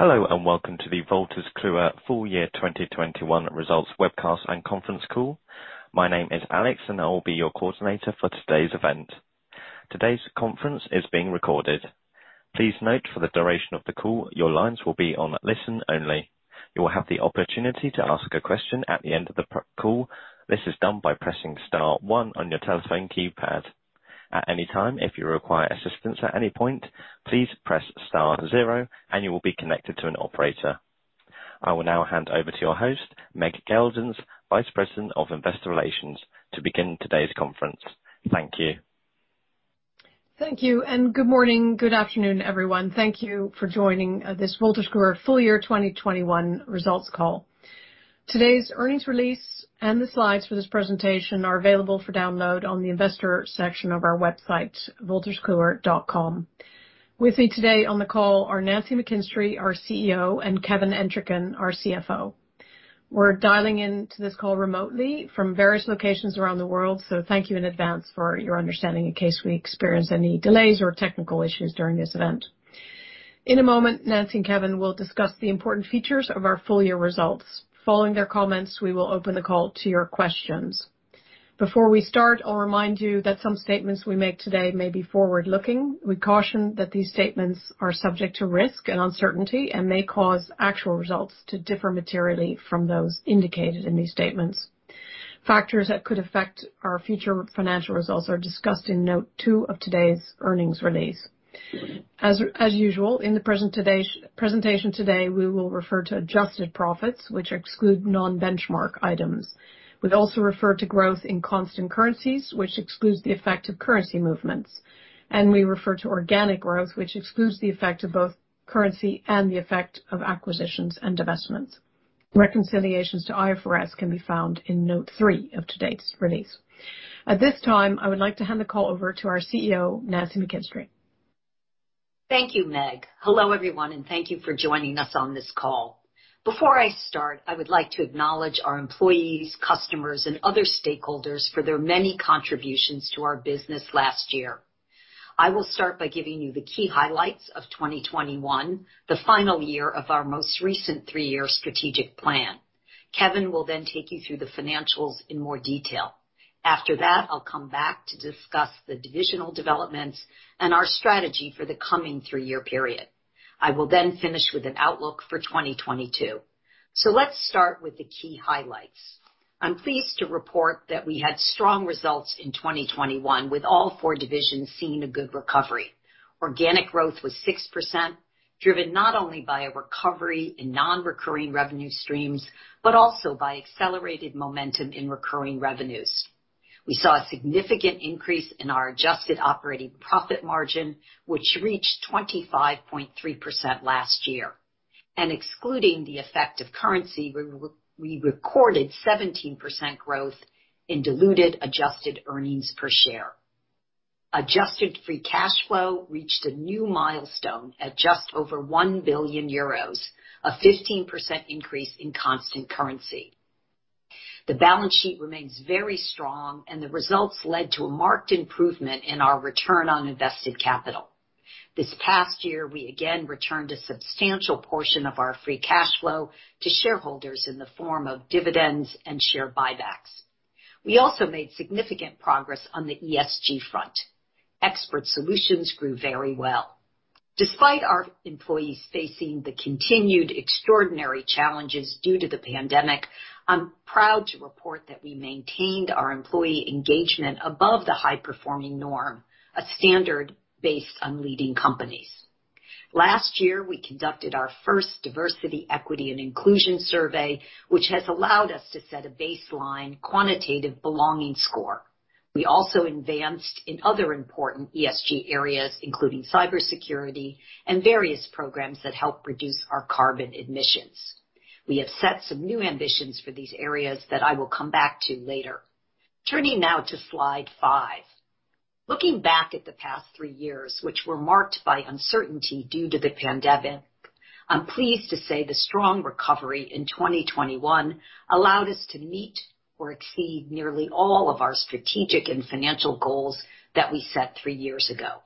Hello, and welcome to the Wolters Kluwer full year 2021 results webcast and conference call. My name is Alex, and I will be your coordinator for today's event. Today's conference is being recorded. Please note for the duration of the call, your lines will be on listen only. You will have the opportunity to ask a question at the end of the call. This is done by pressing star one on your telephone keypad. At any time, if you require assistance at any point, please press star zero, and you will be connected to an operator. I will now hand over to your host, Meg Geldens, Vice President of Investor Relations, to begin today's conference. Thank you. Thank you, and good morning, good afternoon, everyone. Thank you for joining this Wolters Kluwer full year 2021 results call. Today's earnings release and the slides for this presentation are available for download on the investor section of our website, wolterskluwer.com. With me today on the call are Nancy McKinstry, our CEO, and Kevin Entricken, our CFO. We're dialing into this call remotely from various locations around the world, so thank you in advance for your understanding in case we experience any delays or technical issues during this event. In a moment, Nancy and Kevin will discuss the important features of our full year results. Following their comments, we will open the call to your questions. Before we start, I'll remind you that some statements we make today may be forward-looking. We caution that these statements are subject to risk and uncertainty and may cause actual results to differ materially from those indicated in these statements. Factors that could affect our future financial results are discussed in note two of today's earnings release. As usual, in the presentation today, we will refer to adjusted profits, which exclude non-benchmark items. We also refer to growth in constant currencies, which excludes the effect of currency movements, and we refer to organic growth, which excludes the effect of both currency and acquisitions and divestments. Reconciliations to IFRS can be found in note three of today's release. At this time, I would like to hand the call over to our CEO, Nancy McKinstry. Thank you, Meg. Hello, everyone, and thank you for joining us on this call. Before I start, I would like to acknowledge our employees, customers, and other stakeholders for their many contributions to our business last year. I will start by giving you the key highlights of 2021, the final year of our most recent three-year strategic plan. Kevin will then take you through the financials in more detail. After that, I'll come back to discuss the divisional developments and our strategy for the coming three-year period. I will then finish with an outlook for 2022. Let's start with the key highlights. I'm pleased to report that we had strong results in 2021, with all four divisions seeing a good recovery. Organic growth was 6%, driven not only by a recovery in non-recurring revenue streams but also by accelerated momentum in recurring revenues. We saw a significant increase in our adjusted operating profit margin, which reached 25.3% last year. Excluding the effect of currency, we recorded 17% growth in diluted adjusted earnings per share. Adjusted free cash flow reached a new milestone at just over 1 billion euros, a 15% increase in constant currency. The balance sheet remains very strong, and the results led to a marked improvement in our return on invested capital. This past year, we again returned a substantial portion of our free cash flow to shareholders in the form of dividends and share buybacks. We also made significant progress on the ESG front. Expert Solutions grew very well. Despite our employees facing the continued extraordinary challenges due to the pandemic, I'm proud to report that we maintained our employee engagement above the high-performing norm, a standard based on leading companies. Last year, we conducted our first diversity, equity, and inclusion survey, which has allowed us to set a baseline quantitative belonging score. We also advanced in other important ESG areas, including cybersecurity and various programs that help reduce our carbon emissions. We have set some new ambitions for these areas that I will come back to later. Turning now to slide five. Looking back at the past three years, which were marked by uncertainty due to the pandemic, I'm pleased to say the strong recovery in 2021 allowed us to meet or exceed nearly all of our strategic and financial goals that we set three years ago.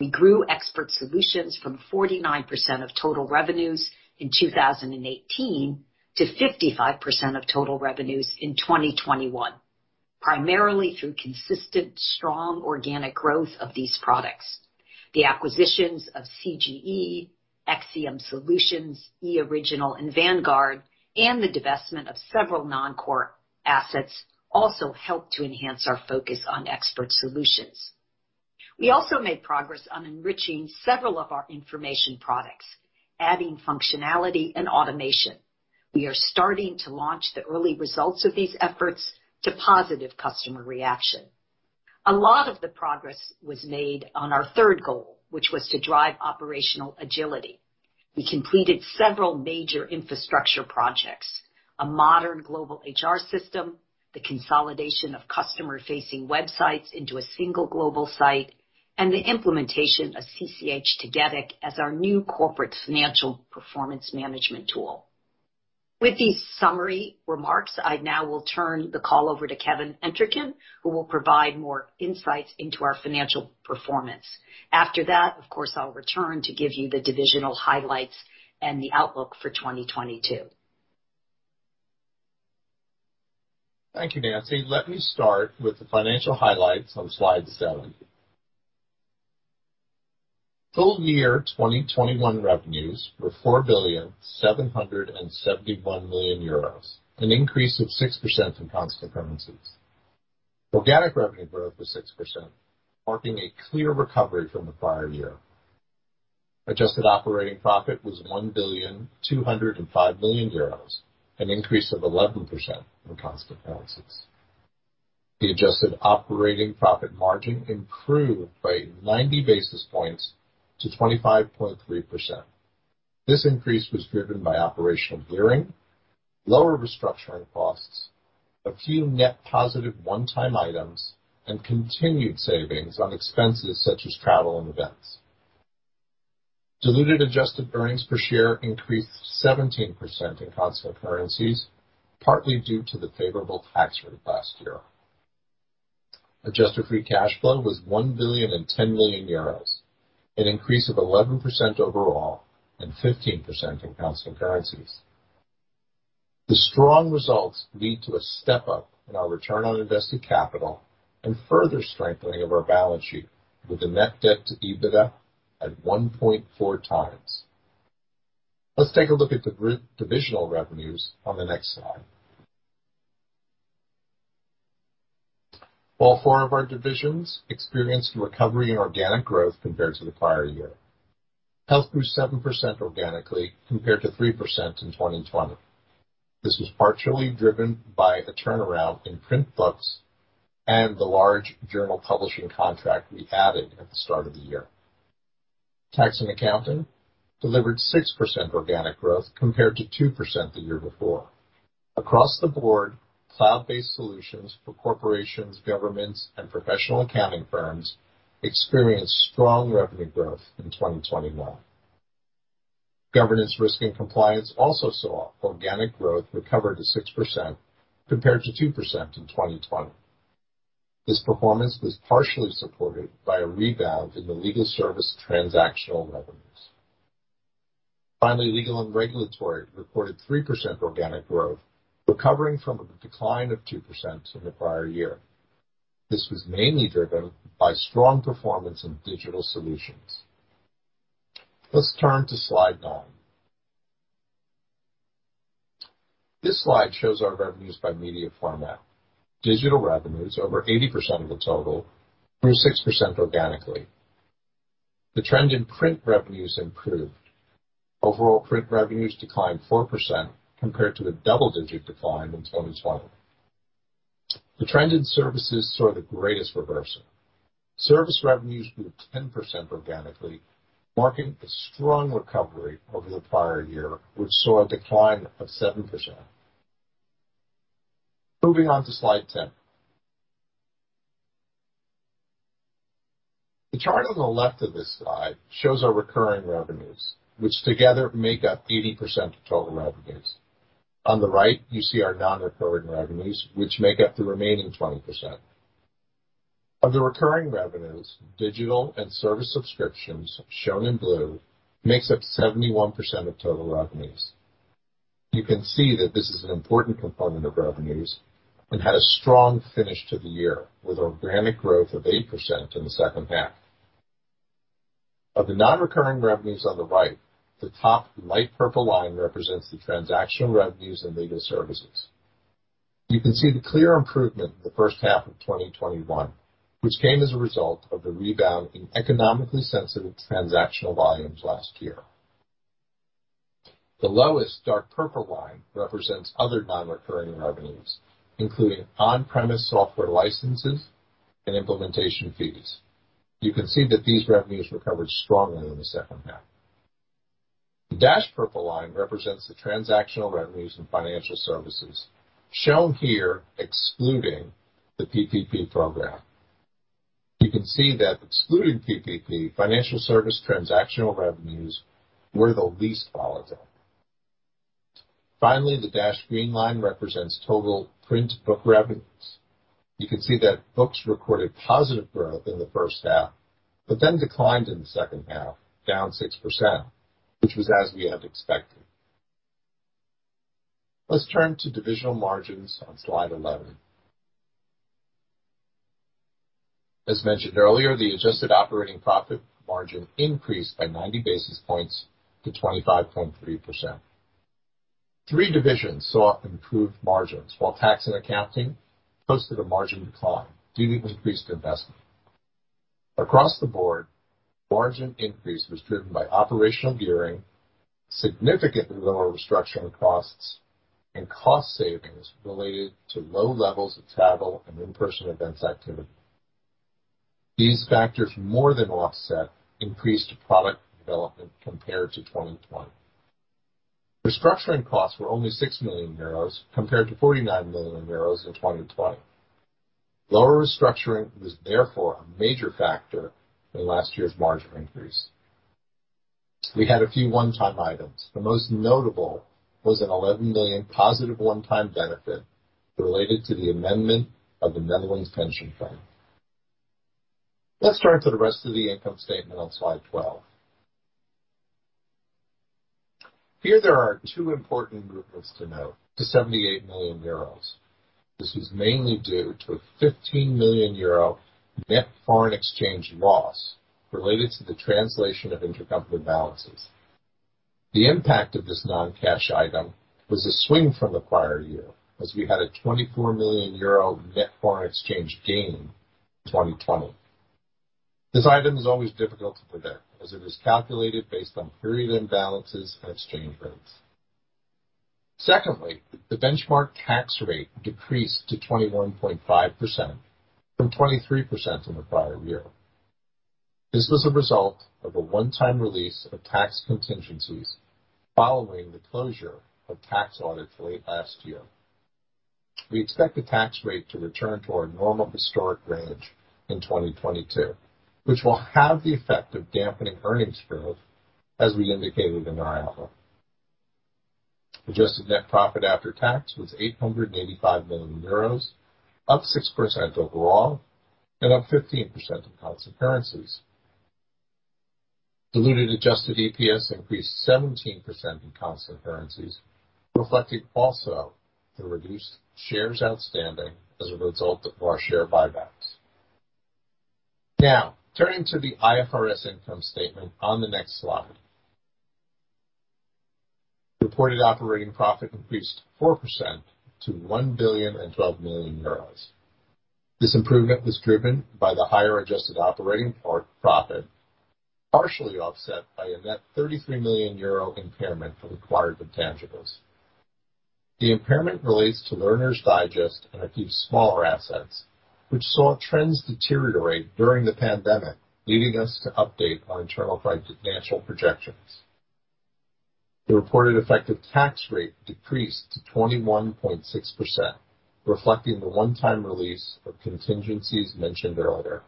We grew Expert Solutions from 49% of total revenues in 2018 to 55% of total revenues in 2021, primarily through consistent strong organic growth of these products. The acquisitions of CGE, XCM Solutions, eOriginal, and Vanguard, and the divestment of several non-core assets also helped to enhance our focus on Expert Solutions. We also made progress on enriching several of our information products, adding functionality and automation. We are starting to launch the early results of these efforts to positive customer reaction. A lot of the progress was made on our third goal, which was to drive operational agility. We completed several major infrastructure projects, a modern global HR system, the consolidation of customer-facing websites into a single global site, and the implementation of CCH Tagetik as our new corporate financial performance management tool. With these summary remarks, I now will turn the call over to Kevin Entricken, who will provide more insights into our financial performance. After that, of course, I'll return to give you the divisional highlights and the outlook for 2022. Thank you, Nancy. Let me start with the financial highlights on slide seven. Full year 2021 revenues were 4,771 million euros, an increase of 6% in constant currencies. Organic revenue growth was 6%, marking a clear recovery from the prior year. Adjusted operating profit was 1,205 million euros, an increase of 11% in constant currencies. The adjusted operating profit margin improved by 90 basis points to 25.3%. This increase was driven by operational gearing, lower restructuring costs, a few net positive one-time items, and continued savings on expenses such as travel and events. Diluted adjusted earnings per share increased 17% in constant currencies, partly due to the favorable tax rate last year. Adjusted free cash flow was 1.01 billion, an increase of 11% overall and 15% in constant currencies. The strong results lead to a step up in our Return on Invested Capital and further strengthening of our balance sheet with the net debt to EBITDA at 1.4x. Let's take a look at the divisional revenues on the next slide. All four of our divisions experienced recovery in organic growth compared to the prior year. Health grew 7% organically compared to 3% in 2020. This was partially driven by a turnaround in print books and the large journal publishing contract we added at the start of the year. Tax & Accounting delivered 6% organic growth compared to 2% the year before. Across the board, cloud-based solutions for corporations, governments, and professional accounting firms experienced strong revenue growth in 2021. Governance, Risk and Compliance also saw organic growth recover to 6% compared to 2% in 2020. This performance was partially supported by a rebound in the legal service transactional revenues. Finally, Legal and Regulatory reported 3% organic growth, recovering from a decline of 2% in the prior year. This was mainly driven by strong performance in digital solutions. Let's turn to slide nine. This slide shows our revenues by media format. Digital revenues, over 80% of the total, grew 6% organically. The trend in print revenues improved. Overall, print revenues declined 4% compared to a double-digit decline in 2020. The trend in services saw the greatest reversal. Service revenues grew 10% organically, marking a strong recovery over the prior year, which saw a decline of 7%. Moving on to slide 10. The chart on the left of this slide shows our recurring revenues, which together make up 80% of total revenues. On the right, you see our non-recurring revenues, which make up the remaining 20%. Of the recurring revenues, digital and service subscriptions, shown in blue, makes up 71% of total revenues. You can see that this is an important component of revenues and had a strong finish to the year with organic growth of 8% in the second half. Of the non-recurring revenues on the right, the top light purple line represents the transactional revenues and legal services. You can see the clear improvement in the first half of 2021, which came as a result of the rebound in economically sensitive transactional volumes last year. The lowest dark purple line represents other non-recurring revenues, including on-premise software licenses and implementation fees. You can see that these revenues recovered strongly in the second half. The dashed purple line represents the transactional revenues in Financial Services, shown here excluding the PPP program. You can see that excluding PPP, Financial Services transactional revenues were the least volatile. Finally, the dashed green line represents total print book revenues. You can see that books recorded positive growth in the first half, but then declined in the second half, down 6%, which was as we had expected. Let's turn to divisional margins on slide 11. As mentioned earlier, the adjusted operating profit margin increased by 90 basis points to 25.3%. Three divisions saw improved margins while Tax and Accounting posted a margin decline due to increased investment. Across the board, margin increase was driven by operational gearing, significantly lower restructuring costs, and cost savings related to low levels of travel and in-person events activity. These factors more than offset increased product development compared to 2020. Restructuring costs were only 6 million euros compared to 49 million euros in 2020. Lower restructuring was therefore a major factor in last year's margin increase. We had a few one-time items. The most notable was an 11 million positive one-time benefit related to the amendment of the Netherlands pension fund. Let's turn to the rest of the income statement on slide 12. Here there are two important movements to note, to 78 million euros. This is mainly due to a 15 million euro net foreign exchange loss related to the translation of intercompany balances. The impact of this non-cash item was a swing from the prior year, as we had a 24 million euro net foreign exchange gain in 2020. This item is always difficult to predict as it is calculated based on period imbalances and exchange rates. Secondly, the benchmark tax rate decreased to 21.5% from 23% in the prior year. This was a result of a one-time release of tax contingencies following the closure of tax audits late last year. We expect the tax rate to return to our normal historic range in 2022, which will have the effect of dampening earnings growth as we indicated in our outlook. Adjusted net profit after tax was 885 million euros, up 6% overall and up 15% in constant currencies. Diluted adjusted EPS increased 17% in constant currencies, reflecting also the reduced shares outstanding as a result of our share buybacks. Now turning to the IFRS income statement on the next slide. Reported operating profit increased 4% to 1,012 million euros. This improvement was driven by the higher adjusted operating profit, partially offset by a net 33 million euro impairment from acquired intangibles. The impairment relates to Learner's Digest and a few smaller assets which saw trends deteriorate during the pandemic, leading us to update our internal financial projections. The reported effective tax rate decreased to 21.6%, reflecting the one-time release of contingencies mentioned earlier.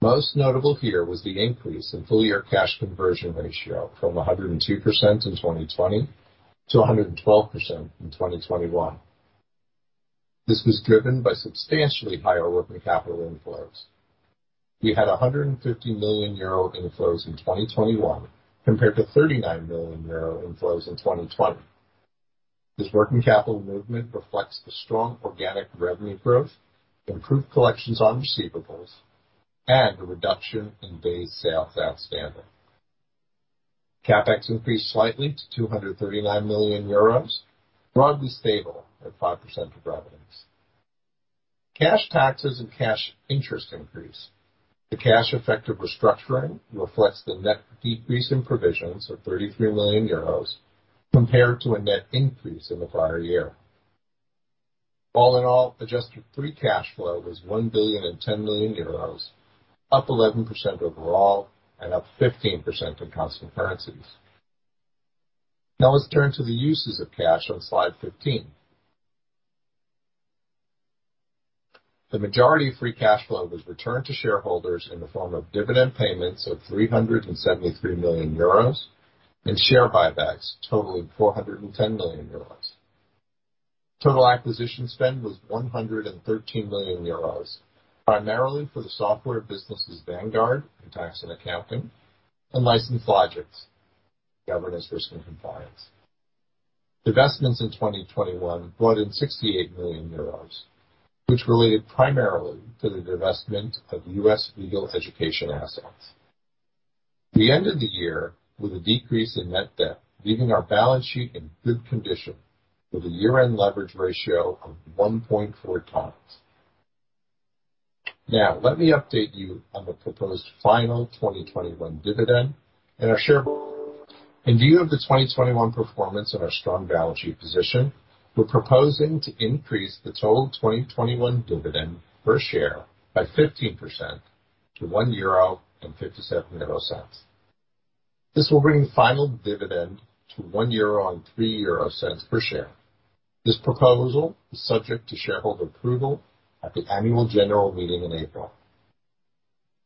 Most notable here was the increase in full year Cash Conversion Ratio from 102% in 2020 to 112% in 2021. This was driven by substantially higher working capital inflows. We had 150 million euro inflows in 2021 compared to 39 million euro inflows in 2020. This working capital movement reflects the strong organic revenue growth, improved collections on receivables, and a reduction in Days Sales Outstanding. CapEx increased slightly to 239 million euros, broadly stable at 5% of revenues. Cash taxes and cash interest increased. The cash effect of restructuring reflects the net decrease in provisions of 33 million euros compared to a net increase in the prior year. All in all, adjusted free cash flow was 1.01 billion, up 11% overall and up 15% in constant currencies. Now let's turn to the uses of cash on slide 15. The majority of free cash flow was returned to shareholders in the form of dividend payments of 373 million euros and share buybacks totaling 410 million euros. Total acquisition spend was 113 million euros, primarily for the software businesses Vanguard in Tax and Accounting, and License Logics, Governance, Risk, and Compliance. Divestments in 2021 brought in 68 million euros, which related primarily to the divestment of U.S. legal education assets. At the end of the year, with a decrease in net debt, leaving our balance sheet in good condition with a year-end leverage ratio of 1.4x. Now, let me update you on the proposed final 2021 dividend and our share. In view of the 2021 performance and our strong balance sheet position, we're proposing to increase the total 2021 dividend per share by 15% to 1.57 euro. This will bring the final dividend to 1.03 euro per share. This proposal is subject to shareholder approval at the annual general meeting in April.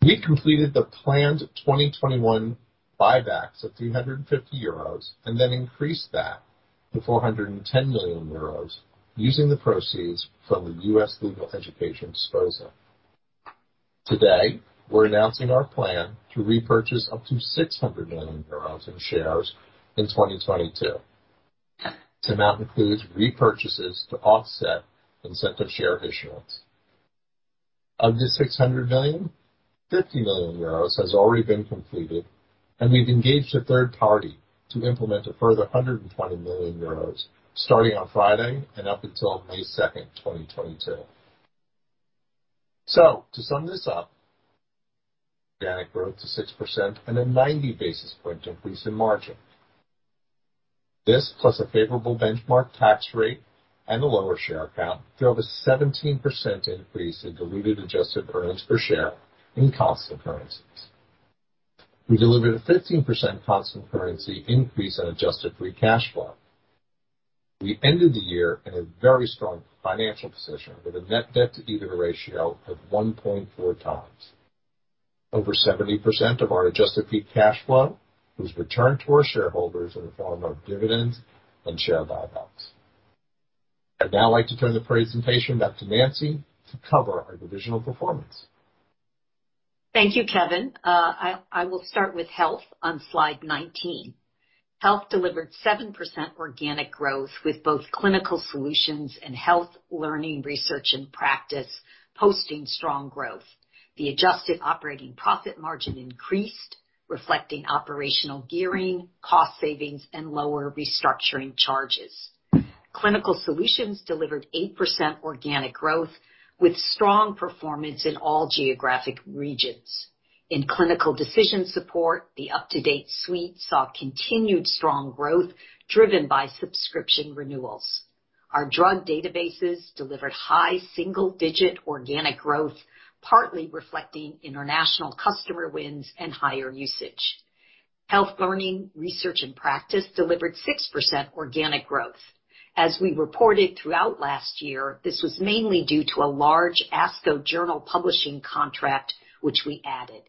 We completed the planned 2021 buybacks of 350 million euros and then increased that to 410 million euros using the proceeds from the U.S. legal education disposal. Today, we're announcing our plan to repurchase up to 600 million euros in shares in 2022. This amount includes repurchases to offset incentive share issuance. Of this 600 million, 50 million euros has already been completed, and we've engaged a third party to implement a further 120 million euros starting on Friday and up until May 2nd, 2022. To sum this up, organic growth to 6% and a 90 basis point increase in margin. This plus a favorable benchmark tax rate and a lower share count drove a 17% increase in diluted adjusted earnings per share in constant currencies. We delivered a 15% constant currency increase in adjusted free cash flow. We ended the year in a very strong financial position with a net debt to EBITDA ratio of 1.4x. Over 70% of our adjusted free cash flow was returned to our shareholders in the form of dividends and share buybacks. I'd now like to turn the presentation back to Nancy to cover our divisional performance. Thank you, Kevin. I will start with Health on slide 19. Health delivered 7% organic growth with both Clinical Solutions and Health Learning, Research, and Practice posting strong growth. The adjusted operating profit margin increased, reflecting operational gearing, cost savings, and lower restructuring charges. Clinical Solutions delivered 8% organic growth with strong performance in all geographic regions. In clinical decision support, the UpToDate suite saw continued strong growth driven by subscription renewals. Our drug databases delivered high single-digit organic growth, partly reflecting international customer wins and higher usage. Health Learning, Research, and Practice delivered 6% organic growth. As we reported throughout last year, this was mainly due to a large ASCO journal publishing contract, which we added.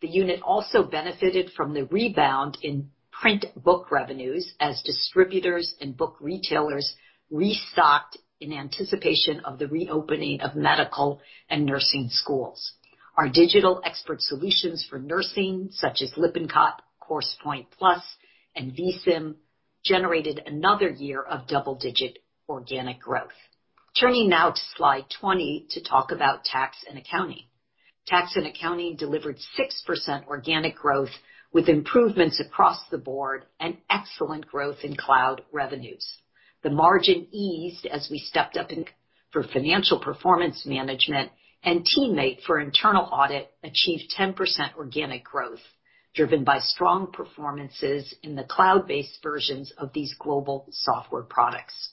The unit also benefited from the rebound in print book revenues as distributors and book retailers restocked in anticipation of the reopening of medical and nursing schools. Our digital expert solutions for nursing, such as Lippincott CoursePoint+, and vSim, generated another year of double-digit organic growth. Turning now to slide 20 to talk about Tax and Accounting. Tax and Accounting delivered 6% organic growth with improvements across the board and excellent growth in cloud revenues. The margin eased as we stepped up for financial performance management, and TeamMate for internal audit achieved 10% organic growth, driven by strong performances in the cloud-based versions of these global software products.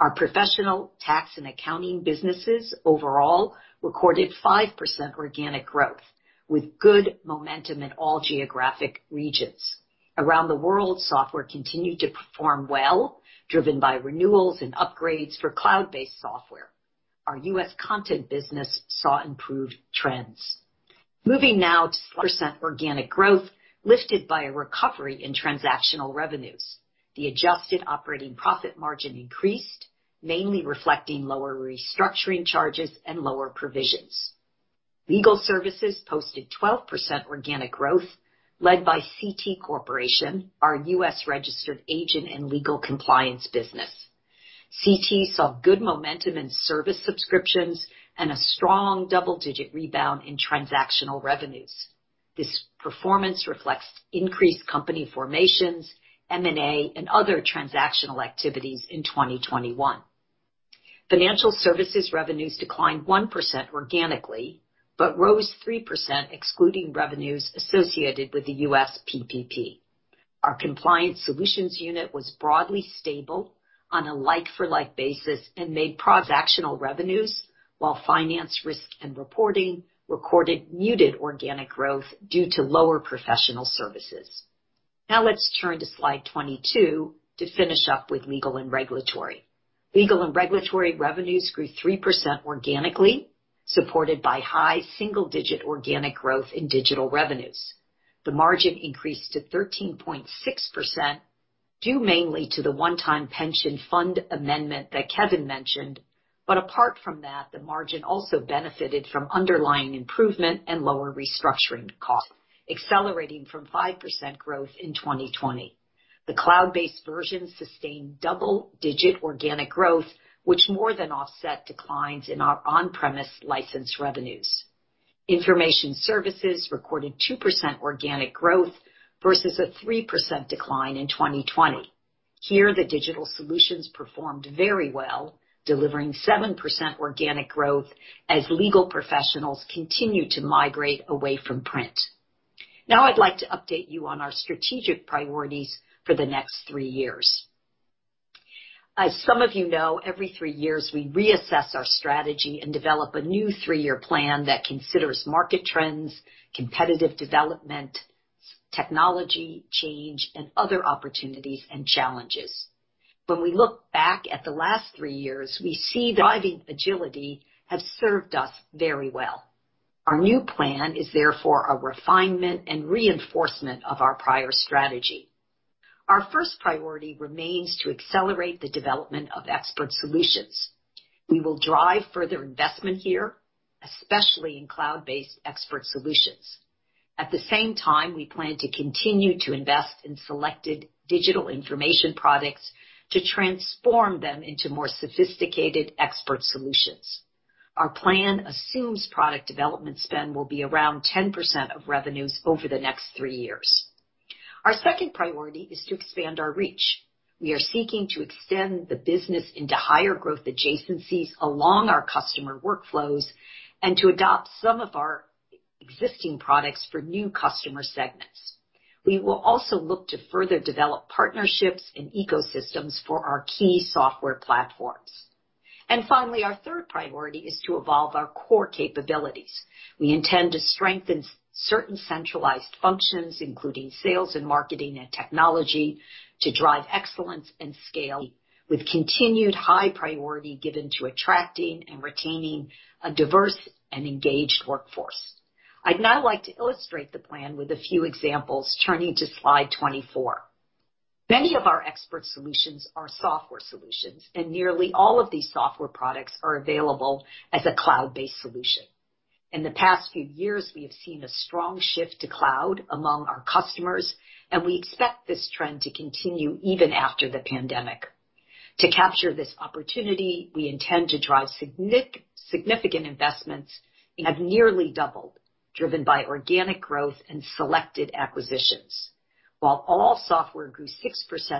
Our professional tax and accounting businesses overall recorded 5% organic growth, with good momentum in all geographic regions. Around the world, software continued to perform well, driven by renewals and upgrades for cloud-based software. Our U.S. content business saw improved trends. Moving now to percent organic growth lifted by a recovery in transactional revenues. The adjusted operating profit margin increased, mainly reflecting lower restructuring charges and lower provisions. Legal and Regulatory posted 12% organic growth led by CT Corporation, our U.S.-registered agent and legal compliance business. CT saw good momentum in service subscriptions and a strong double-digit rebound in transactional revenues. This performance reflects increased company formations, M&A, and other transactional activities in 2021. Financial and Corporate Compliance revenues declined 1% organically, but rose 3% excluding revenues associated with the U.S. PPP. Our compliance solutions unit was broadly stable on a like-for-like basis and M&A transactional revenues, while Finance, Risk and Reporting recorded muted organic growth due to lower professional services. Now let's turn to slide 22 to finish up with Legal and Regulatory. Legal and Regulatory revenues grew 3% organically, supported by high single-digit organic growth in digital revenues. The margin increased to 13.6% due mainly to the one-time pension fund amendment that Kevin mentioned. Apart from that, the margin also benefited from underlying improvement and lower restructuring costs, accelerating from 5% growth in 2020. The cloud-based version sustained double-digit organic growth, which more than offset declines in our on-premise license revenues. Information services recorded 2% organic growth versus a 3% decline in 2020. Here, the digital solutions performed very well, delivering 7% organic growth as legal professionals continued to migrate away from print. Now I'd like to update you on our strategic priorities for the next three years. As some of you know, every three years, we reassess our strategy and develop a new three-year plan that considers market trends, competitive development, technology change, and other opportunities and challenges. When we look back at the last three years, we see driving agility has served us very well. Our new plan is therefore a refinement and reinforcement of our prior strategy. Our first priority remains to accelerate the development of Expert Solutions. We will drive further investment here, especially in cloud-based Expert Solutions. At the same time, we plan to continue to invest in selected digital information products to transform them into more sophisticated Expert Solutions. Our plan assumes product development spend will be around 10% of revenues over the next three years. Our second priority is to expand our reach. We are seeking to extend the business into higher growth adjacencies along our customer workflows and to adopt some of our existing products for new customer segments. We will also look to further develop partnerships and ecosystems for our key software platforms. Finally, our third priority is to evolve our core capabilities. We intend to strengthen certain centralized functions, including sales and marketing and technology, to drive excellence and scale with continued high priority given to attracting and retaining a diverse and engaged workforce. I'd now like to illustrate the plan with a few examples, turning to slide 24. Many of our Expert Solutions are software solutions, and nearly all of these software products are available as a cloud-based solution. In the past few years, we have seen a strong shift to cloud among our customers, and we expect this trend to continue even after the pandemic. To capture this opportunity, we intend to drive significant investments. They have nearly doubled, driven by organic growth and selected acquisitions. While all software grew 6%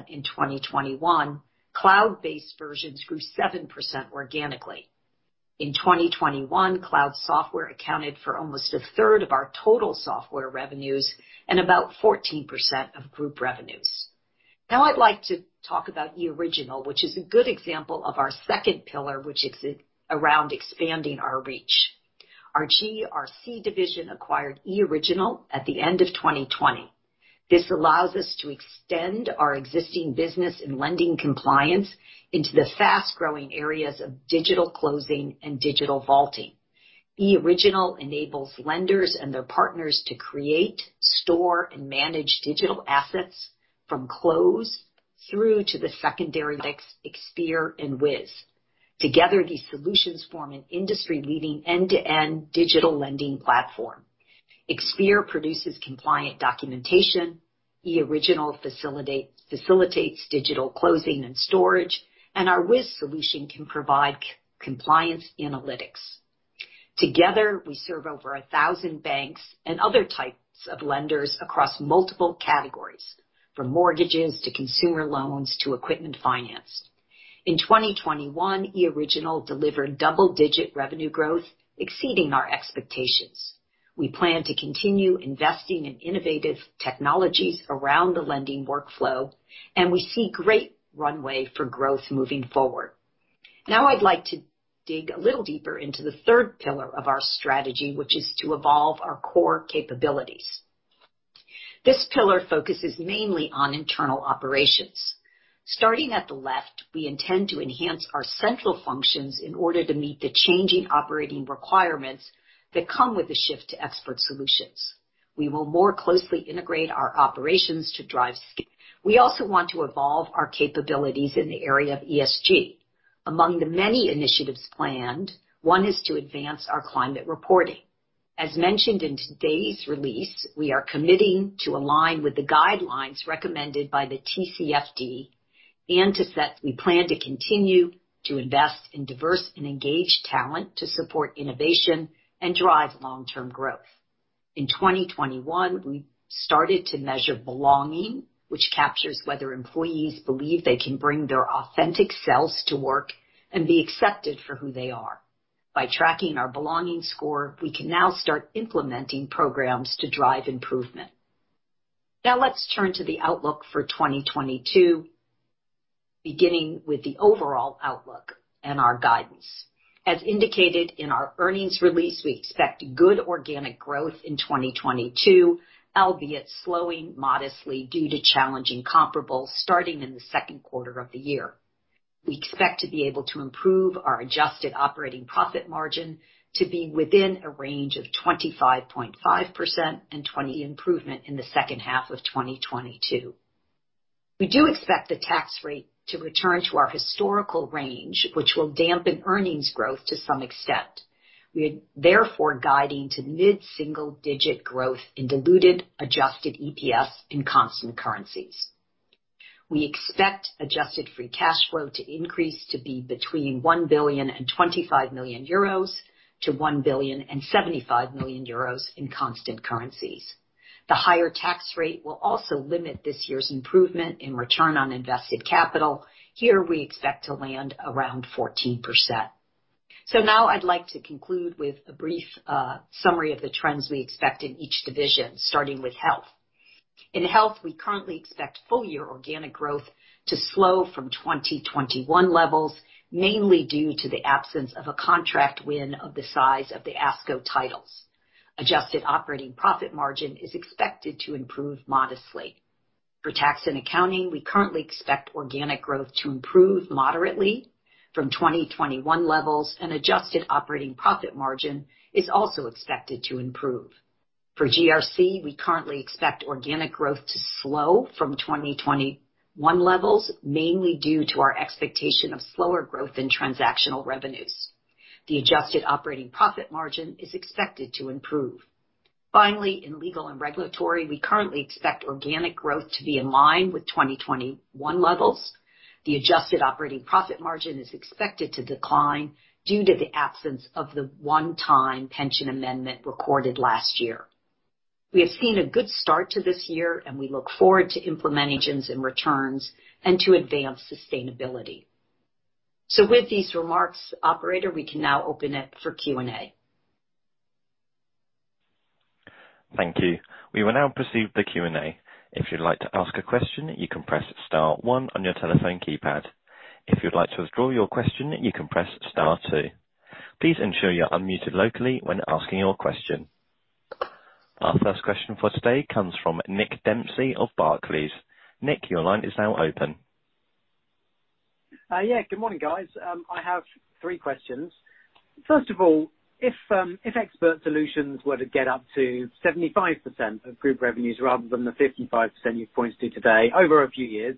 in 2021, cloud-based versions grew 7% organically. In 2021, cloud software accounted for almost a third of our total software revenues and about 14% of group revenues. Now I'd like to talk about eOriginal, which is a good example of our second pillar, which is around expanding our reach. Our GRC division acquired eOriginal at the end of 2020. This allows us to extend our existing business in lending compliance into the fast-growing areas of digital closing and digital vaulting. eOriginal enables lenders and their partners to create, store, and manage digital assets from close through to the secondary Expere and Wiz. Together, these solutions form an industry-leading end-to-end digital lending platform. Expere produces compliant documentation, eOriginal facilitates digital closing and storage, and our Wiz solution can provide compliance analytics. Together, we serve over 1,000 banks and other types of lenders across multiple categories, from mortgages to consumer loans to equipment finance. In 2021, eOriginal delivered double-digit revenue growth exceeding our expectations. We plan to continue investing in innovative technologies around the lending workflow, and we see great runway for growth moving forward. Now I'd like to dig a little deeper into the third pillar of our strategy, which is to evolve our core capabilities. This pillar focuses mainly on internal operations. Starting at the left, we intend to enhance our central functions in order to meet the changing operating requirements that come with the shift to Expert Solutions. We will more closely integrate our operations to drive scale. We also want to evolve our capabilities in the area of ESG. Among the many initiatives planned, one is to advance our climate reporting. As mentioned in today's release, we are committing to align with the guidelines recommended by the TCFD. We plan to continue to invest in diverse and engaged talent to support innovation and drive long-term growth. In 2021, we started to measure belonging, which captures whether employees believe they can bring their authentic selves to work and be accepted for who they are. By tracking our belonging score, we can now start implementing programs to drive improvement. Now let's turn to the outlook for 2022, beginning with the overall outlook and our guidance. As indicated in our earnings release, we expect good organic growth in 2022, albeit slowing modestly due to challenging comparables starting in the second quarter of the year. We expect to be able to improve our adjusted operating profit margin to be within a range of 25.5% and 27% improvement in the second half of 2022. We do expect the tax rate to return to our historical range, which will dampen earnings growth to some extent. We are therefore guiding to mid-single-digit growth in diluted adjusted EPS in constant currencies. We expect adjusted free cash flow to increase to be between 1.025 billion and 1.075 billion euros in constant currencies. The higher tax rate will also limit this year's improvement in return on invested capital. Here we expect to land around 14%. Now I'd like to conclude with a brief summary of the trends we expect in each division, starting with Health. In Health, we currently expect full-year organic growth to slow from 2021 levels, mainly due to the absence of a contract win of the size of the ASCO titles. Adjusted operating profit margin is expected to improve modestly. For Tax & Accounting, we currently expect organic growth to improve moderately from 2021 levels, and adjusted operating profit margin is also expected to improve. For GRC, we currently expect organic growth to slow from 2021 levels, mainly due to our expectation of slower growth in transactional revenues. The adjusted operating profit margin is expected to improve. Finally, in Legal & Regulatory, we currently expect organic growth to be in line with 2021 levels. The adjusted operating profit margin is expected to decline due to the absence of the one-time pension amendment recorded last year. We have seen a good start to this year, and we look forward to implementing returns and to advance sustainability. With these remarks, operator, we can now open it for Q&A. Thank you. We will now proceed with the Q&A. If you'd like to ask a question, you can press star one on your telephone keypad. If you'd like to withdraw your question, you can press star two. Please ensure you're unmuted locally when asking your question. Our first question for today comes from Nick Dempsey of Barclays. Nick, your line is now open. Good morning, guys. I have three questions. First of all, if Expert Solutions were to get up to 75% of group revenues rather than the 55% you pointed to today over a few years,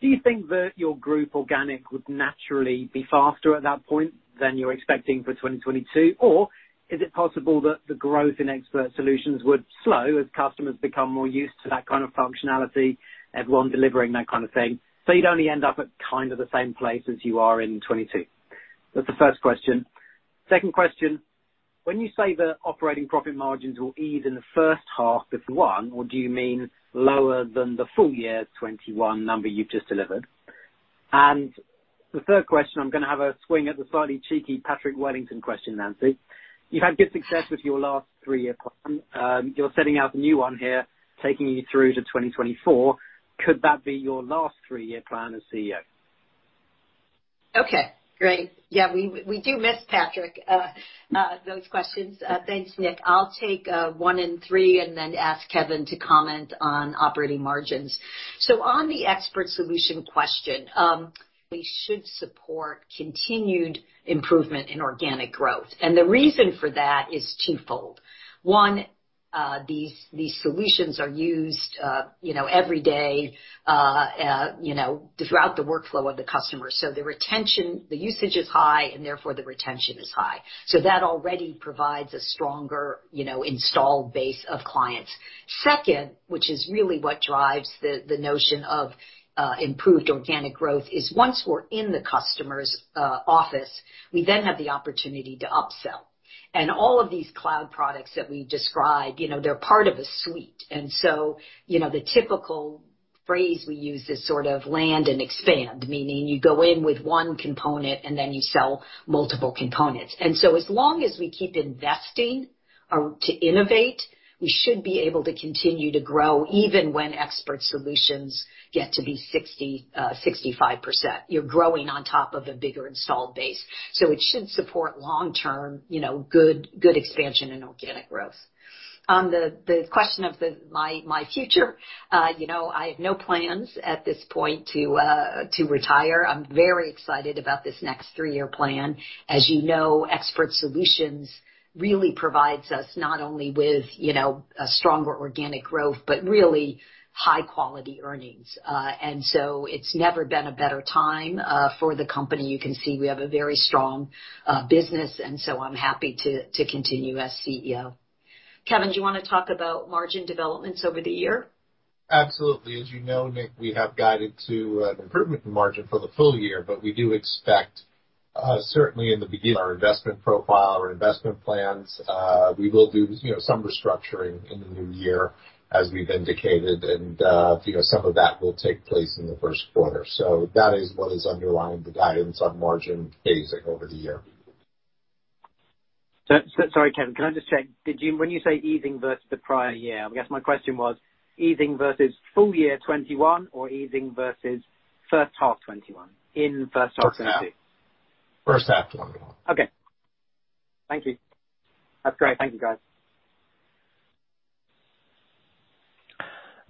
do you think that your group organic would naturally be faster at that point than you're expecting for 2022? Or is it possible that the growth in Expert Solutions would slow as customers become more used to that kind of functionality, everyone delivering that kind of thing, so you'd only end up at kind of the same place as you are in 2022? That's the first question. Second question, when you say the operating profit margins will ease in the first half of 2021, or do you mean lower than the full year 2021 number you've just delivered? The third question, I'm gonna have a swing at the slightly cheeky Patrick Wellington question, Nancy. You've had good success with your last three-year plan. You're setting out a new one here, taking you through to 2024. Could that be your last three-year plan as CEO? Okay, great. Yeah, we do miss Patrick. Thanks, Nick. I'll take one and three and then ask Kevin to comment on operating margins. On the Expert Solutions question, we should support continued improvement in organic growth. The reason for that is twofold. One, these solutions are used, you know, every day, you know, throughout the workflow of the customer. The retention, the usage is high, and therefore, the retention is high. That already provides a stronger, you know, installed base of clients. Second, which is really what drives the notion of improved organic growth, is once we're in the customer's office, we then have the opportunity to upsell. All of these cloud products that we described, you know, they're part of a suite. You know, the typical phrase we use is sort of land and expand, meaning you go in with one component, and then you sell multiple components. As long as we keep investing or to innovate, we should be able to continue to grow even when Expert Solutions get to be 65%. You're growing on top of a bigger installed base. It should support long-term, you know, good expansion and organic growth. On the question of my future, you know, I have no plans at this point to retire. I'm very excited about this next three-year plan. As you know, Expert Solutions really provides us not only with, you know, a stronger organic growth, but really high-quality earnings. It's never been a better time for the company. You can see we have a very strong business, and so I'm happy to continue as CEO. Kevin, do you wanna talk about margin developments over the year? Absolutely. As you know, Nick, we have guided to an improvement in margin for the full year, but we do expect certainly in the beginning, our investment profile, our investment plans, we will do, you know, some restructuring in the new year as we've indicated, and, you know, some of that will take place in the first quarter. That is what is underlying the guidance on margin phasing over the year. Sorry, Kevin. Can I just check? When you say easing versus the prior year, I guess my question was easing versus full year 2021 or easing versus first half 2021 in the first half- First half 2021. Okay. Thank you. That's great. Thank you, guys.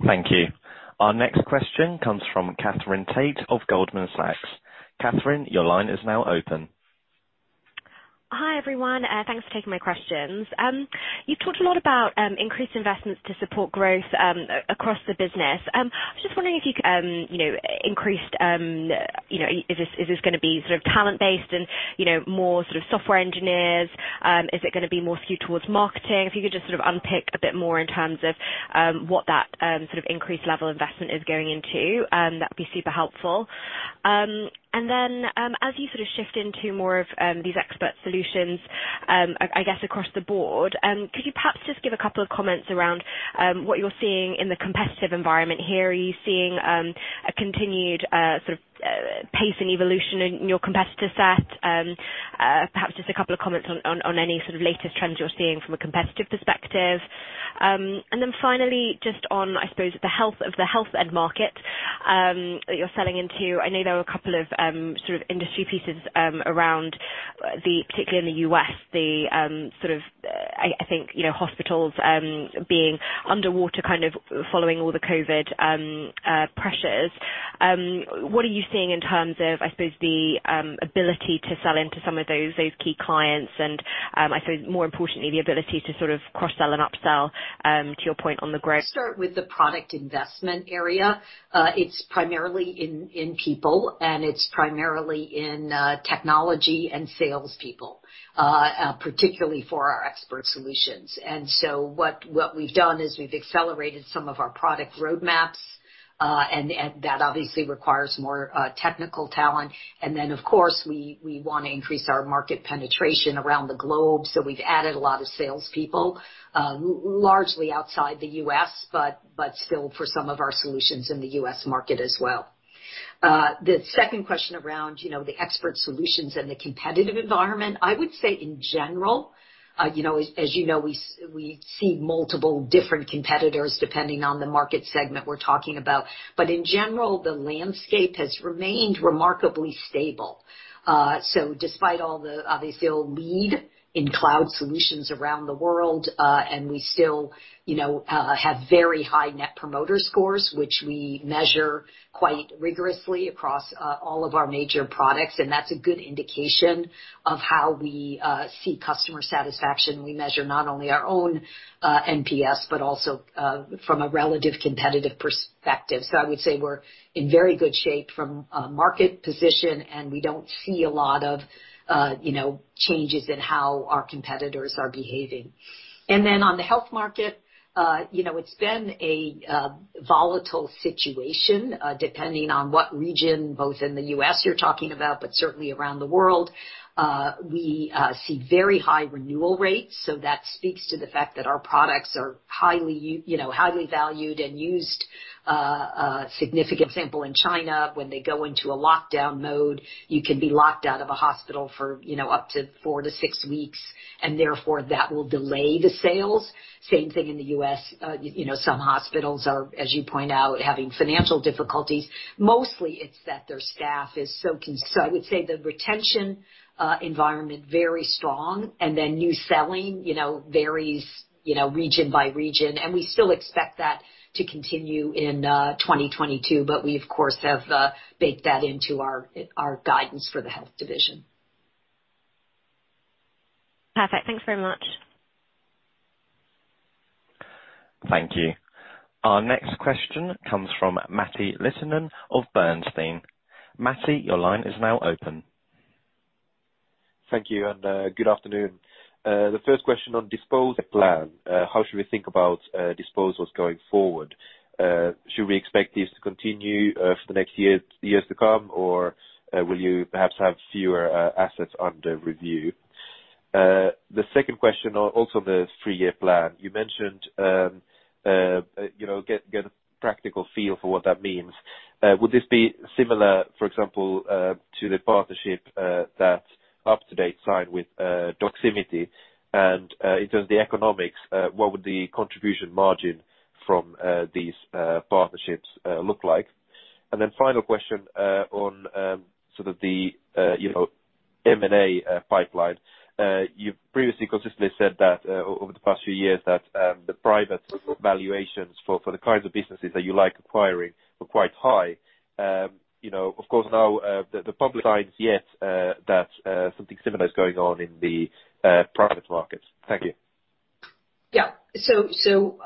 Thank you. Our next question comes from Katherine Tait of Goldman Sachs. Katherine, your line is now open. Hi, everyone. Thanks for taking my questions. You've talked a lot about increased investments to support growth across the business. I'm just wondering, you know, is this gonna be sort of talent based and, you know, more sort of software engineers? Is it gonna be more skewed towards marketing? If you could just sort of unpick a bit more in terms of what that sort of increased level investment is going into, that'd be super helpful. Then, as you sort of shift into more of these Expert Solutions, I guess across the board, could you perhaps just give a couple of comments around what you're seeing in the competitive environment here? Are you seeing a continued sort of pace and evolution in your competitive set? Perhaps just a couple of comments on any sort of latest trends you're seeing from a competitive perspective. Finally, just on, I suppose, the health of the Health end market that you're selling into. I know there were a couple of sort of industry pieces around, particularly in the U.S., the sort of, I think, you know, hospitals being underwater, kind of following all the COVID pressures. What are you seeing in terms of, I suppose, the ability to sell into some of those key clients, and, I suppose more importantly, the ability to sort of cross-sell and upsell to your point on the ground? Start with the product investment area. It's primarily in people, and it's primarily in technology and salespeople, particularly for our Expert Solutions. What we've done is we've accelerated some of our product roadmaps, and that obviously requires more technical talent. Of course, we wanna increase our market penetration around the globe. We've added a lot of salespeople, largely outside the U.S., but still for some of our solutions in the U.S. market as well. The second question around, you know, the Expert Solutions and the competitive environment. I would say in general, you know, as you know, we see multiple different competitors depending on the market segment we're talking about. In general, the landscape has remained remarkably stable. Despite all the, obviously leadership in cloud solutions around the world, and we still, you know, have very high Net Promoter Score, which we measure quite rigorously across all of our major products, and that's a good indication of how we see customer satisfaction. We measure not only our own NPS, but also from a relative competitive perspective. I would say we're in very good shape from a market position, and we don't see a lot of, you know, changes in how our competitors are behaving. Then on the Health market, you know, it's been a volatile situation, depending on what region, both in the U.S. you're talking about, but certainly around the world. We see very high renewal rates, so that speaks to the fact that our products are highly you know, highly valued and used. A significant example in China, when they go into a lockdown mode, you can be locked out of a hospital for, you know, up to four to six weeks, and therefore that will delay the sales. Same thing in the U.S. You know, some hospitals are, as you point out, having financial difficulties. Mostly it's that their staff is so. So I would say the retention environment very strong, and then new selling, you know, varies, you know, region by region. We still expect that to continue in 2022, but we of course have baked that into our guidance for the Health division. Perfect. Thanks very much. Thank you. Our next question comes from Matti Littunen of Bernstein. Matti, your line is now open. Thank you and good afternoon. The first question on disposal plan. How should we think about disposals going forward? Should we expect these to continue for the next years to come, or will you perhaps have fewer assets under review? The second question on also the three-year plan. You mentioned you know get a practical feel for what that means. Would this be similar, for example, to the partnership that UpToDate signed with Doximity and in terms of the economics, what would the contribution margin from these partnerships look like? Final question on sort of the you know M&A pipeline. You've previously consistently said that over the past few years that the private valuations for the kinds of businesses that you like acquiring were quite high. You know, of course now the public signs, yet that something similar is going on in the private markets. Thank you. Yeah.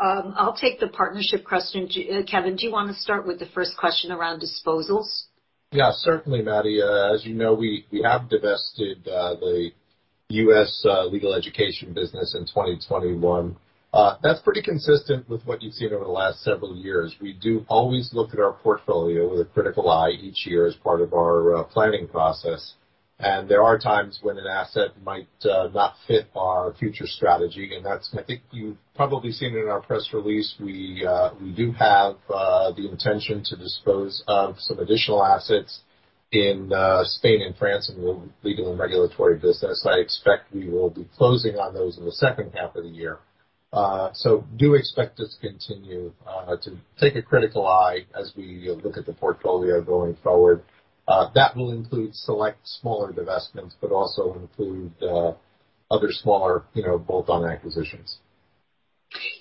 I'll take the partnership question. Kevin, do you wanna start with the first question around disposals? Yeah, certainly, Matti. As you know, we have divested the U.S. legal education business in 2021. That's pretty consistent with what you've seen over the last several years. We do always look at our portfolio with a critical eye each year as part of our planning process. There are times when an asset might not fit our future strategy, and that's, I think you've probably seen it in our press release, we do have the intention to dispose of some additional assets in Spain and France in the Legal and Regulatory business. I expect we will be closing on those in the second half of the year. Do expect us to continue to take a critical eye as we look at the portfolio going forward. That will include select smaller divestments, but also include other smaller, you know, bolt-on acquisitions.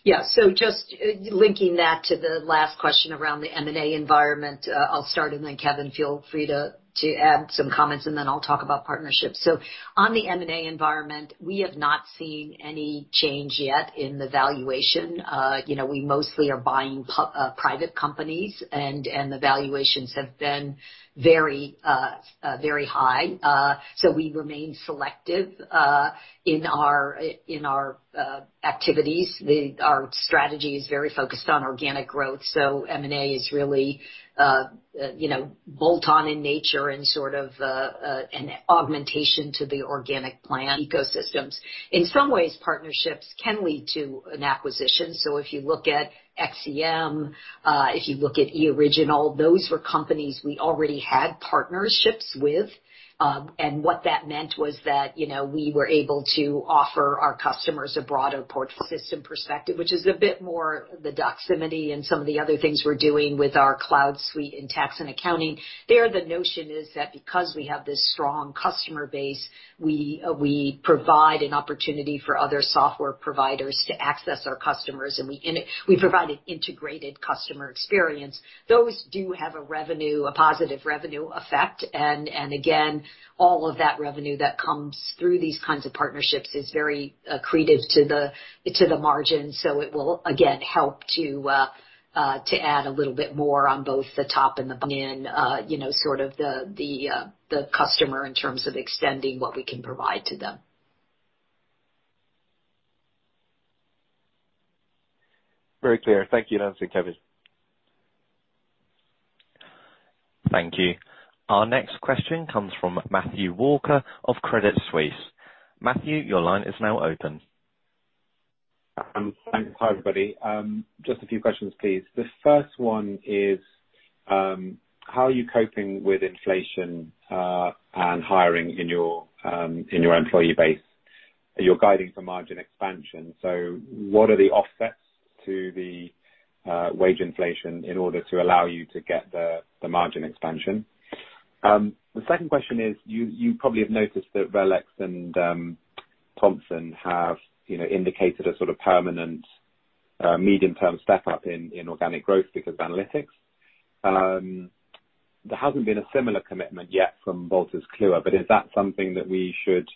Yeah. Just linking that to the last question around the M&A environment, I'll start, and then Kevin, feel free to add some comments, and then I'll talk about partnerships. On the M&A environment, we have not seen any change yet in the valuation. You know, we mostly are buying private companies, and the valuations have been very high. We remain selective in our activities. Our strategy is very focused on organic growth, so M&A is really, you know, bolt-on in nature and sort of an augmentation to the organic plan ecosystems. In some ways, partnerships can lead to an acquisition. If you look at XCM, if you look at eOriginal, those were companies we already had partnerships with. What that meant was that, you know, we were able to offer our customers a broader platform perspective, which is a bit more like the Doximity and some of the other things we're doing with our cloud suite in Tax and Accounting. The notion is that because we have this strong customer base, we provide an opportunity for other software providers to access our customers, and we provide an integrated customer experience. Those do have a revenue, a positive revenue effect, and again, all of that revenue that comes through these kinds of partnerships is very accretive to the margin, so it will again help to add a little bit more on both the top and the bottom and, you know, sort of the customer in terms of extending what we can provide to them. Very clear. Thank you for answering, Kevin. Thank you. Our next question comes from Matthew Walker of Credit Suisse. Matthew, your line is now open. Thanks. Hi, everybody. Just a few questions, please. The first one is, how are you coping with inflation, and hiring in your employee base? You're guiding for margin expansion, so what are the offsets to the wage inflation in order to allow you to get the margin expansion? The second question is, you probably have noticed that RELX and Thomson Reuters have, you know, indicated a sort of permanent, medium term step up in organic growth because of analytics. There hasn't been a similar commitment yet from Wolters Kluwer, but is that something that we should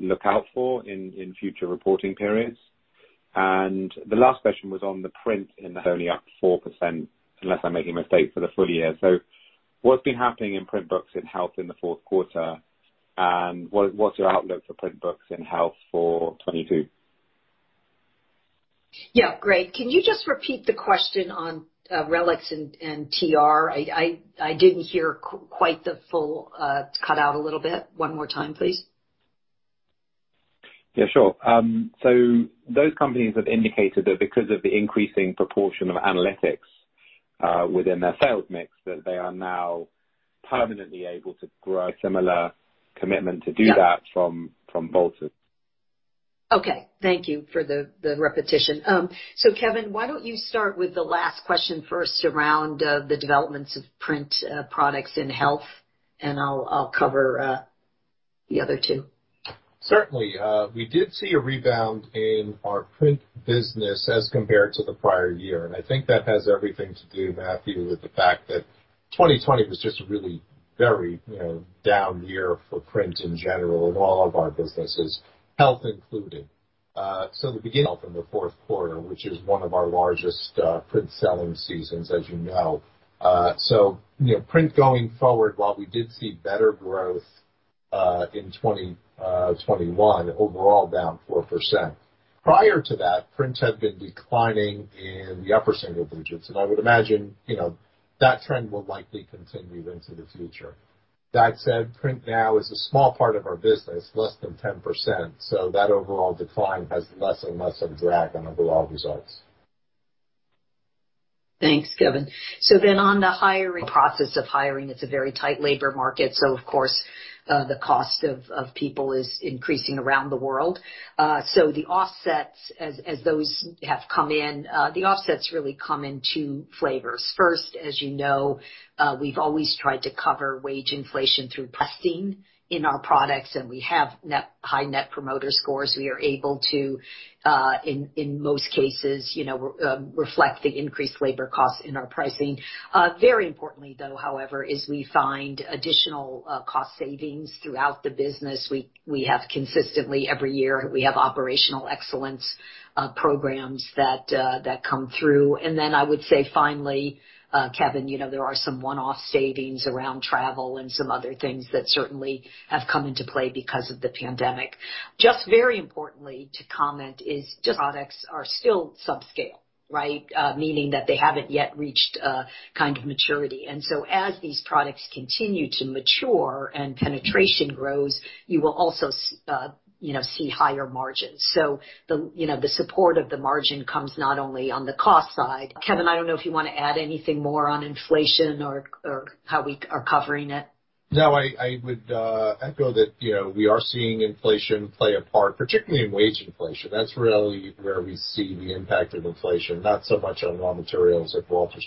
look out for in future reporting periods? The last question was on the print in the Health only up 4%, unless I'm making a mistake, for the full year. What's been happening in print books in Health in the fourth quarter, and what's your outlook for print books in Health for 2022? Yeah. Great. Can you just repeat the question on RELX and TR? I didn't hear quite the full. It cut out a little bit. One more time, please. Yeah, sure. Those companies have indicated that because of the increasing proportion of analytics within their sales mix, that they are now permanently able to grow similar commitment to do that from Wolters. Okay. Thank you for the repetition. Kevin, why don't you start with the last question first around the developments of print products in Health, and I'll cover the other two. Certainly. We did see a rebound in our print business as compared to the prior year. I think that has everything to do, Matthew, with the fact that 2020 was just a really very, you know, down year for print in general in all of our businesses, Health included. To begin off in the fourth quarter, which is one of our largest print selling seasons as you know. You know, print going forward, while we did see better growth in 2021 overall down 4%. Prior to that, print had been declining in the upper single-digits. I would imagine, you know, that trend will likely continue into the future. That said, print now is a small part of our business, less than 10%, so that overall decline has less and less of a drag on overall results. Thanks, Kevin. On the hiring process of hiring, it's a very tight labor market, so of course, the cost of people is increasing around the world. The offsets as those have come in, the offsets really come in two flavors. First, as you know, we've always tried to cover wage inflation through pricing in our products, and we have net high Net Promoter Score. We are able to, in most cases, you know, reflect the increased labor costs in our pricing. Very importantly though, however, is we find additional cost savings throughout the business. We have consistently every year operational excellence programs that come through. I would say finally, Kevin, you know, there are some one-off savings around travel and some other things that certainly have come into play because of the pandemic. Just very importantly to comment is just products are still subscale, right? Meaning that they haven't yet reached a kind of maturity. As these products continue to mature and penetration grows, you will also see higher margins. The, you know, the support of the margin comes not only on the cost side. Kevin, I don't know if you wanna add anything more on inflation or how we are covering it. No, I would echo that, you know, we are seeing inflation play a part, particularly in wage inflation. That's really where we see the impact of inflation, not so much on raw materials at Wolters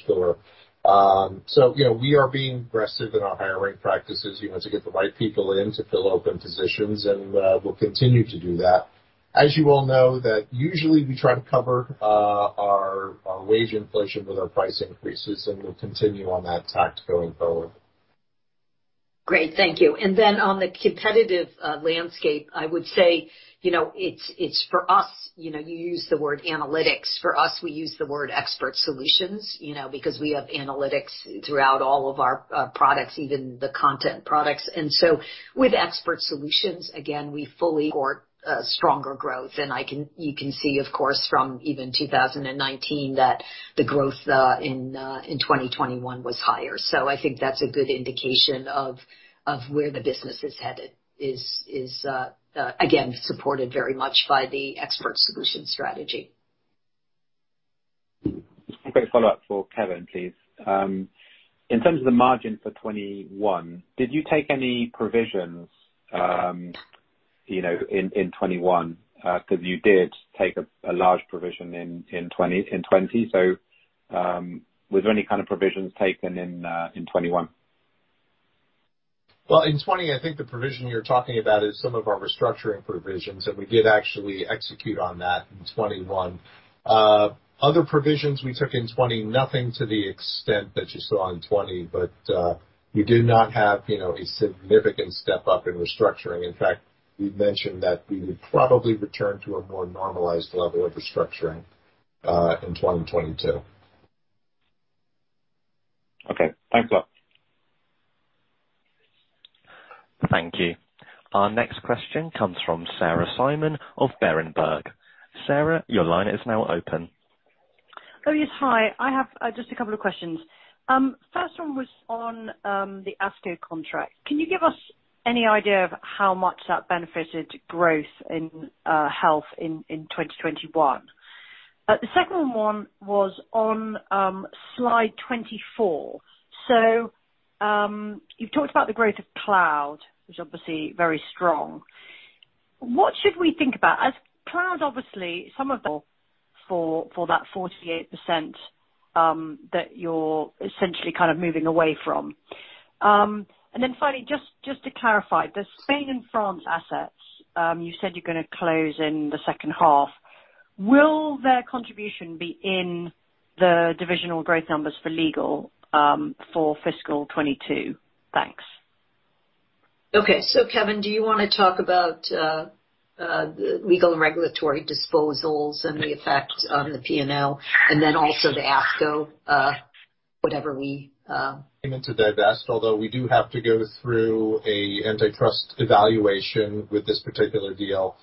Kluwer. You know, we are being aggressive in our hiring practices, you know, to get the right people in, to fill open positions, and we'll continue to do that. As you all know, that usually we try to cover our wage inflation with our price increases, and we'll continue on that tack going forward. Great. Thank you. On the competitive landscape, I would say, you know, it's for us, you know, you use the word analytics. For us, we use the word Expert Solutions, you know, because we have analytics throughout all of our products, even the content products. With Expert Solutions, again, we fully support stronger growth. You can see, of course, from even 2019 that the growth in 2021 was higher. I think that's a good indication of where the business is headed, again, supported very much by the Expert Solutions strategy. A quick follow-up for Kevin, please. In terms of the margin for 2021, did you take any provisions, you know, in 2021? 'Cause you did take a large provision in 2020. Was there any kind of provisions taken in 2021? Well, in 2020, I think the provision you're talking about is some of our restructuring provisions, and we did actually execute on that in 2021. Other provisions we took in 2020, nothing to the extent that you saw in 2020, but we do not have, you know, a significant step-up in restructuring. In fact, we've mentioned that we would probably return to a more normalized level of restructuring in 2022. Okay. Thanks a lot. Thank you. Our next question comes from Sarah Simon of Berenberg. Sarah, your line is now open. Oh, yes. Hi. I have just a couple of questions. First one was on the ASCO contract. Can you give us any idea of how much that benefited growth in Health in 2021? The second one was on slide 24. You've talked about the growth of cloud, which obviously very strong. What should we think about for that 48% that you're essentially kind of moving away from? Finally, just to clarify, the Spain and France assets, you said you're gonna close in the second half. Will their contribution be in the divisional growth numbers for Legal for fiscal 2022? Thanks. Okay. Kevin, do you wanna talk about the Legal and Regulatory disposals and the effect on the P&L and then also the ASCO, whatever we came in to divest, although we do have to go through an antitrust evaluation with this particular deal.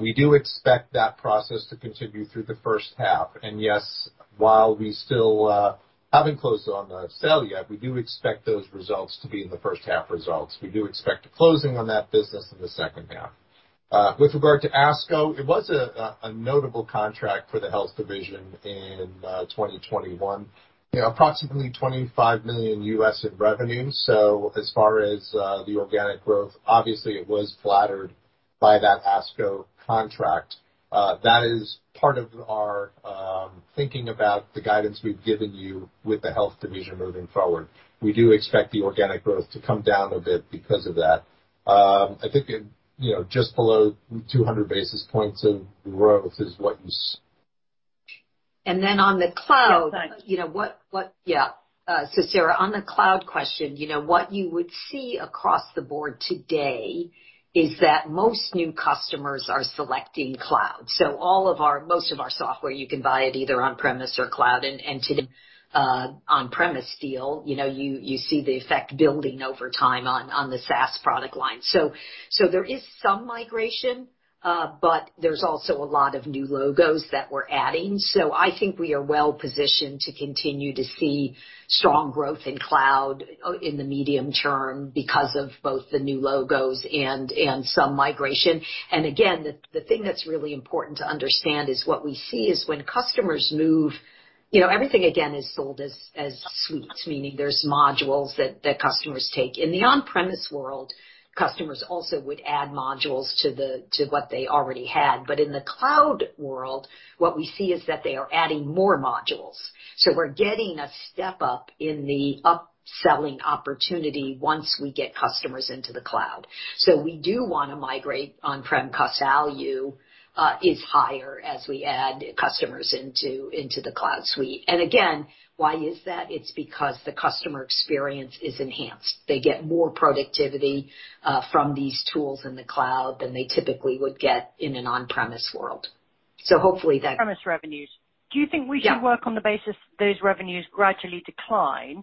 We do expect that process to continue through the first half. While we still haven't closed on the sale yet, we do expect those results to be in the first-half results. We do expect a closing on that business in the second half. With regard to ASCO, it was a notable contract for the Health division in 2021. You know, approximately $25 million in revenue. So as far as the organic growth, obviously it was flattered by that ASCO contract. That is part of our thinking about the guidance we've given you with the Health division moving forward. We do expect the organic growth to come down a bit because of that. I think, you know, just below 200 basis points of growth is what you- And then on the cloud- Yeah. Thanks. Sarah, on the cloud question, you know, what you would see across the board today is that most new customers are selecting cloud. Most of our software, you can buy it either on-premise or cloud. To the on-premise deal, you see the effect building over time on the SaaS product line. There is some migration, but there's also a lot of new logos that we're adding. I think we are well positioned to continue to see strong growth in cloud in the medium term because of both the new logos and some migration. The thing that's really important to understand is what we see is when customers move, you know, everything again is sold as suites, meaning there's modules that customers take. In the on-premise world, customers also would add modules to what they already had. In the cloud world, what we see is that they are adding more modules. We're getting a step up in the upselling opportunity once we get customers into the cloud. We do wanna migrate on-prem customers. Value is higher as we add customers into the cloud suite. Why is that? It's because the customer experience is enhanced. They get more productivity from these tools in the cloud than they typically would get in an on-premise world. Hopefully that- On-premise revenues. Yeah. Do you think we should work on the basis those revenues gradually decline?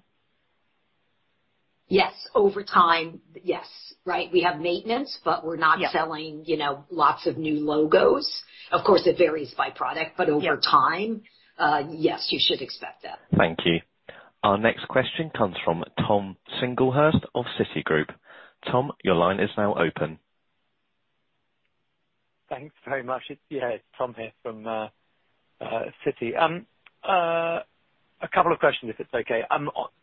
Yes. Over time, yes. Right? We have maintenance, but we're not- Yeah. ...selling, you know, lots of new logos. Of course, it varies by product. Yeah. Over time, yes, you should expect that. Thank you. Our next question comes from Tom Singlehurst of Citigroup. Tom, your line is now open. Thanks very much. Yeah, it's Tom here from Citi. A couple of questions if it's okay.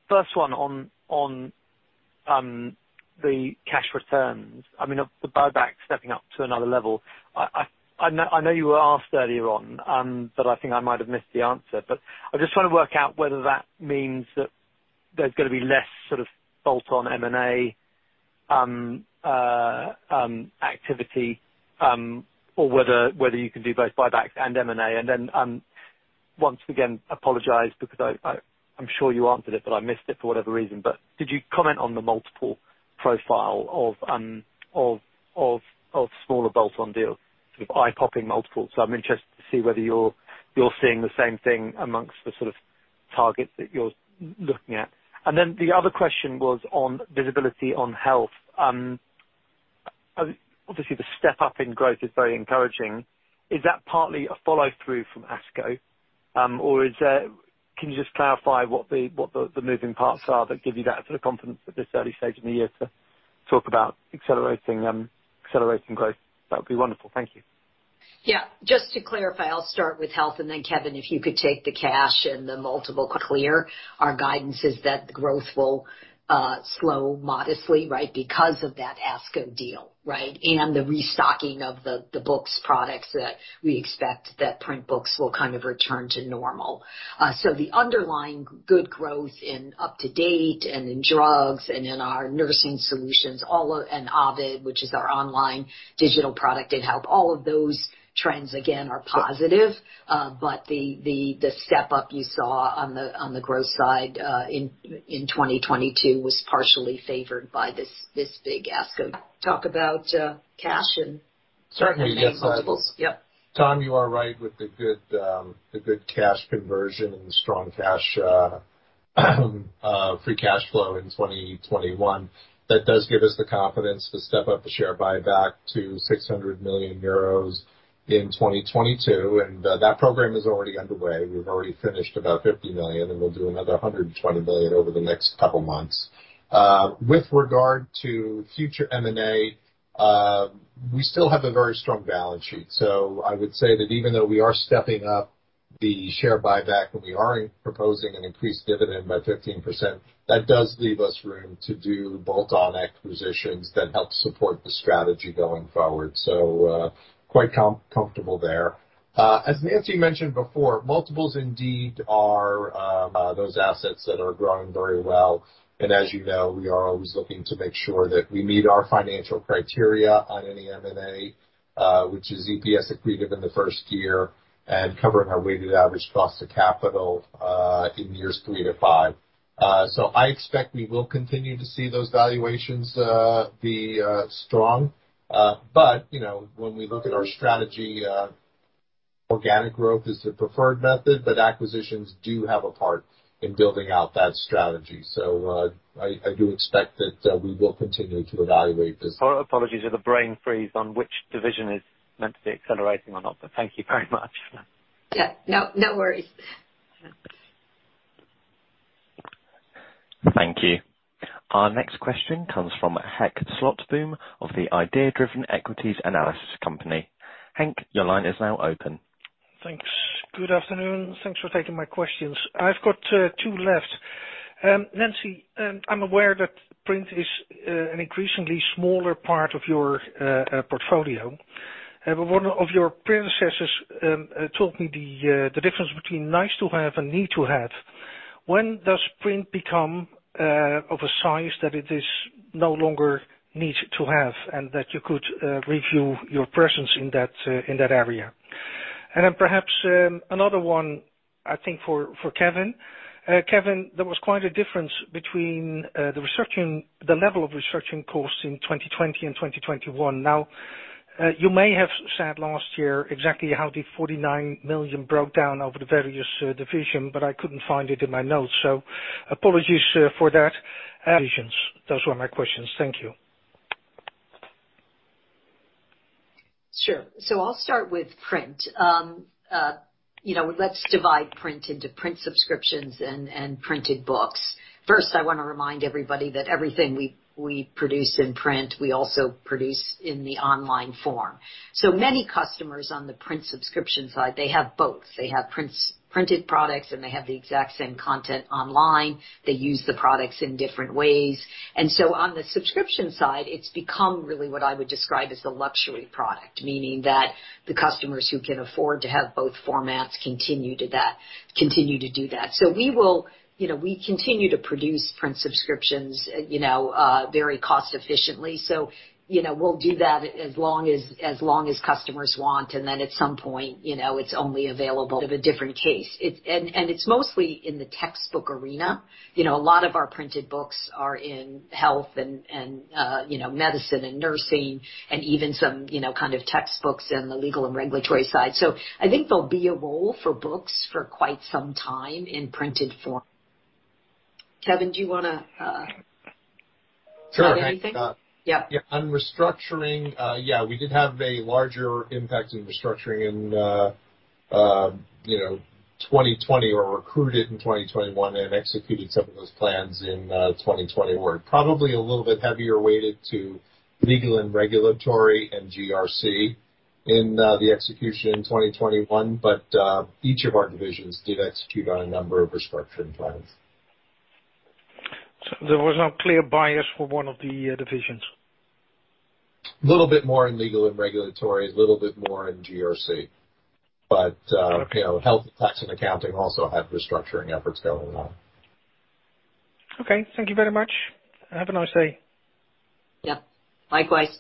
First one on the cash returns, I mean, the buyback stepping up to another level. I know you were asked earlier on, but I think I might have missed the answer, but I just wanna work out whether that means that there's gonna be less sort of bolt-on M&A activity, or whether you can do both buybacks and M&A. Once again, apologize because I'm sure you answered it, but I missed it for whatever reason. Did you comment on the multiple profile of smaller bolt-on deals with eye-popping multiples? I'm interested to see whether you're seeing the same thing among the sort of targets that you're looking at. Then the other question was on visibility on health. Obviously, the step up in growth is very encouraging. Is that partly a follow through from ASCO? Or can you just clarify what the moving parts are that give you that sort of confidence at this early stage in the year to talk about accelerating growth? That would be wonderful. Thank you. Yeah, just to clarify, I'll start with Health, and then Kevin, if you could take the cash and the multiple. So, our guidance is that the growth will slow modestly, right? Because of that ASCO deal, right? The restocking of the books products that we expect print books will kind of return to normal. So the underlying good growth in UpToDate and in drugs and in our nursing solutions, all of, and Ovid, which is our online digital product in Health, all of those trends, again, are positive. But the step up you saw on the growth side in 2022 was partially favored by this big ASCO. Talk about cash and- Certainly ...multiples. Yep. Tom, you are right with the good cash conversion and strong cash free cash flow in 2021. That does give us the confidence to step up the share buyback to 600 million euros in 2022, and that program is already underway. We've already finished about 50 million, and we'll do another 120 million over the next couple months. With regard to future M&A, we still have a very strong balance sheet. I would say that even though we are stepping up the share buyback, and we are proposing an increased dividend by 15%, that does leave us room to do bolt-on acquisitions that help support the strategy going forward. Quite comfortable there. As Nancy mentioned before, multiples indeed are those assets that are growing very well. As you know, we are always looking to make sure that we meet our financial criteria on any M&A, which is EPS accretive in the first year and covering our weighted average cost of capital in years three to five. I expect we will continue to see those valuations be strong. You know, when we look at our strategy, organic growth is the preferred method, but acquisitions do have a part in building out that strategy. I do expect that we will continue to evaluate this. Apologies for the brain freeze on which division is meant to be accelerating or not, but thank you very much. Yeah. No, no worries. Thank you. Our next question comes from Henk Slotboom of The Idea-Driven Equities Analysis Company. Henk, your line is now open. Thanks. Good afternoon. Thanks for taking my questions. I've got two left. Nancy, I'm aware that print is an increasingly smaller part of your portfolio. One of your predecessors told me the difference between nice to have and need to have. When does print become of a size that it is no longer need to have and that you could review your presence in that area? Perhaps another one I think for Kevin. Kevin, there was quite a difference between the level of R&D costs in 2020 and 2021. Now, you may have said last year exactly how the 49 million broke down over the various divisions, but I couldn't find it in my notes. Apologies for that. Those were my questions. Thank you. Sure. I'll start with print. You know, let's divide print into print subscriptions and printed books. First, I wanna remind everybody that everything we produce in print, we also produce in the online form. Many customers on the print subscription side, they have both. They have printed products, and they have the exact same content online. They use the products in different ways. On the subscription side, it's become really what I would describe as the luxury product, meaning that the customers who can afford to have both formats continue to do that. We will, you know, continue to produce print subscriptions, you know, very cost efficiently. You know, we'll do that as long as customers want, and then at some point, you know, it's only available of a different case. It's mostly in the textbook arena. You know, a lot of our printed books are in health and you know, medicine and nursing and even some you know, kind of textbooks in the legal and regulatory side. I think there'll be a role for books for quite some time in printed form. Kevin, do you wanna- Sure. Add anything? Yeah. Yeah. On restructuring, we did have a larger impact in restructuring in, you know, 2020. We recruited in 2021 and executed some of those plans in 2020. We're probably a little bit heavier weighted to Legal and Regulatory and GRC in the execution in 2021, but each of our divisions did execute on a number of restructuring plans. There was no clear bias for one of the divisions. Little bit more in Legal and Regulatory, a little bit more in GRC. Okay. You know, Health, Tax and Accounting also have restructuring efforts going on. Okay. Thank you very much. Have a nice day. Yeah. Likewise.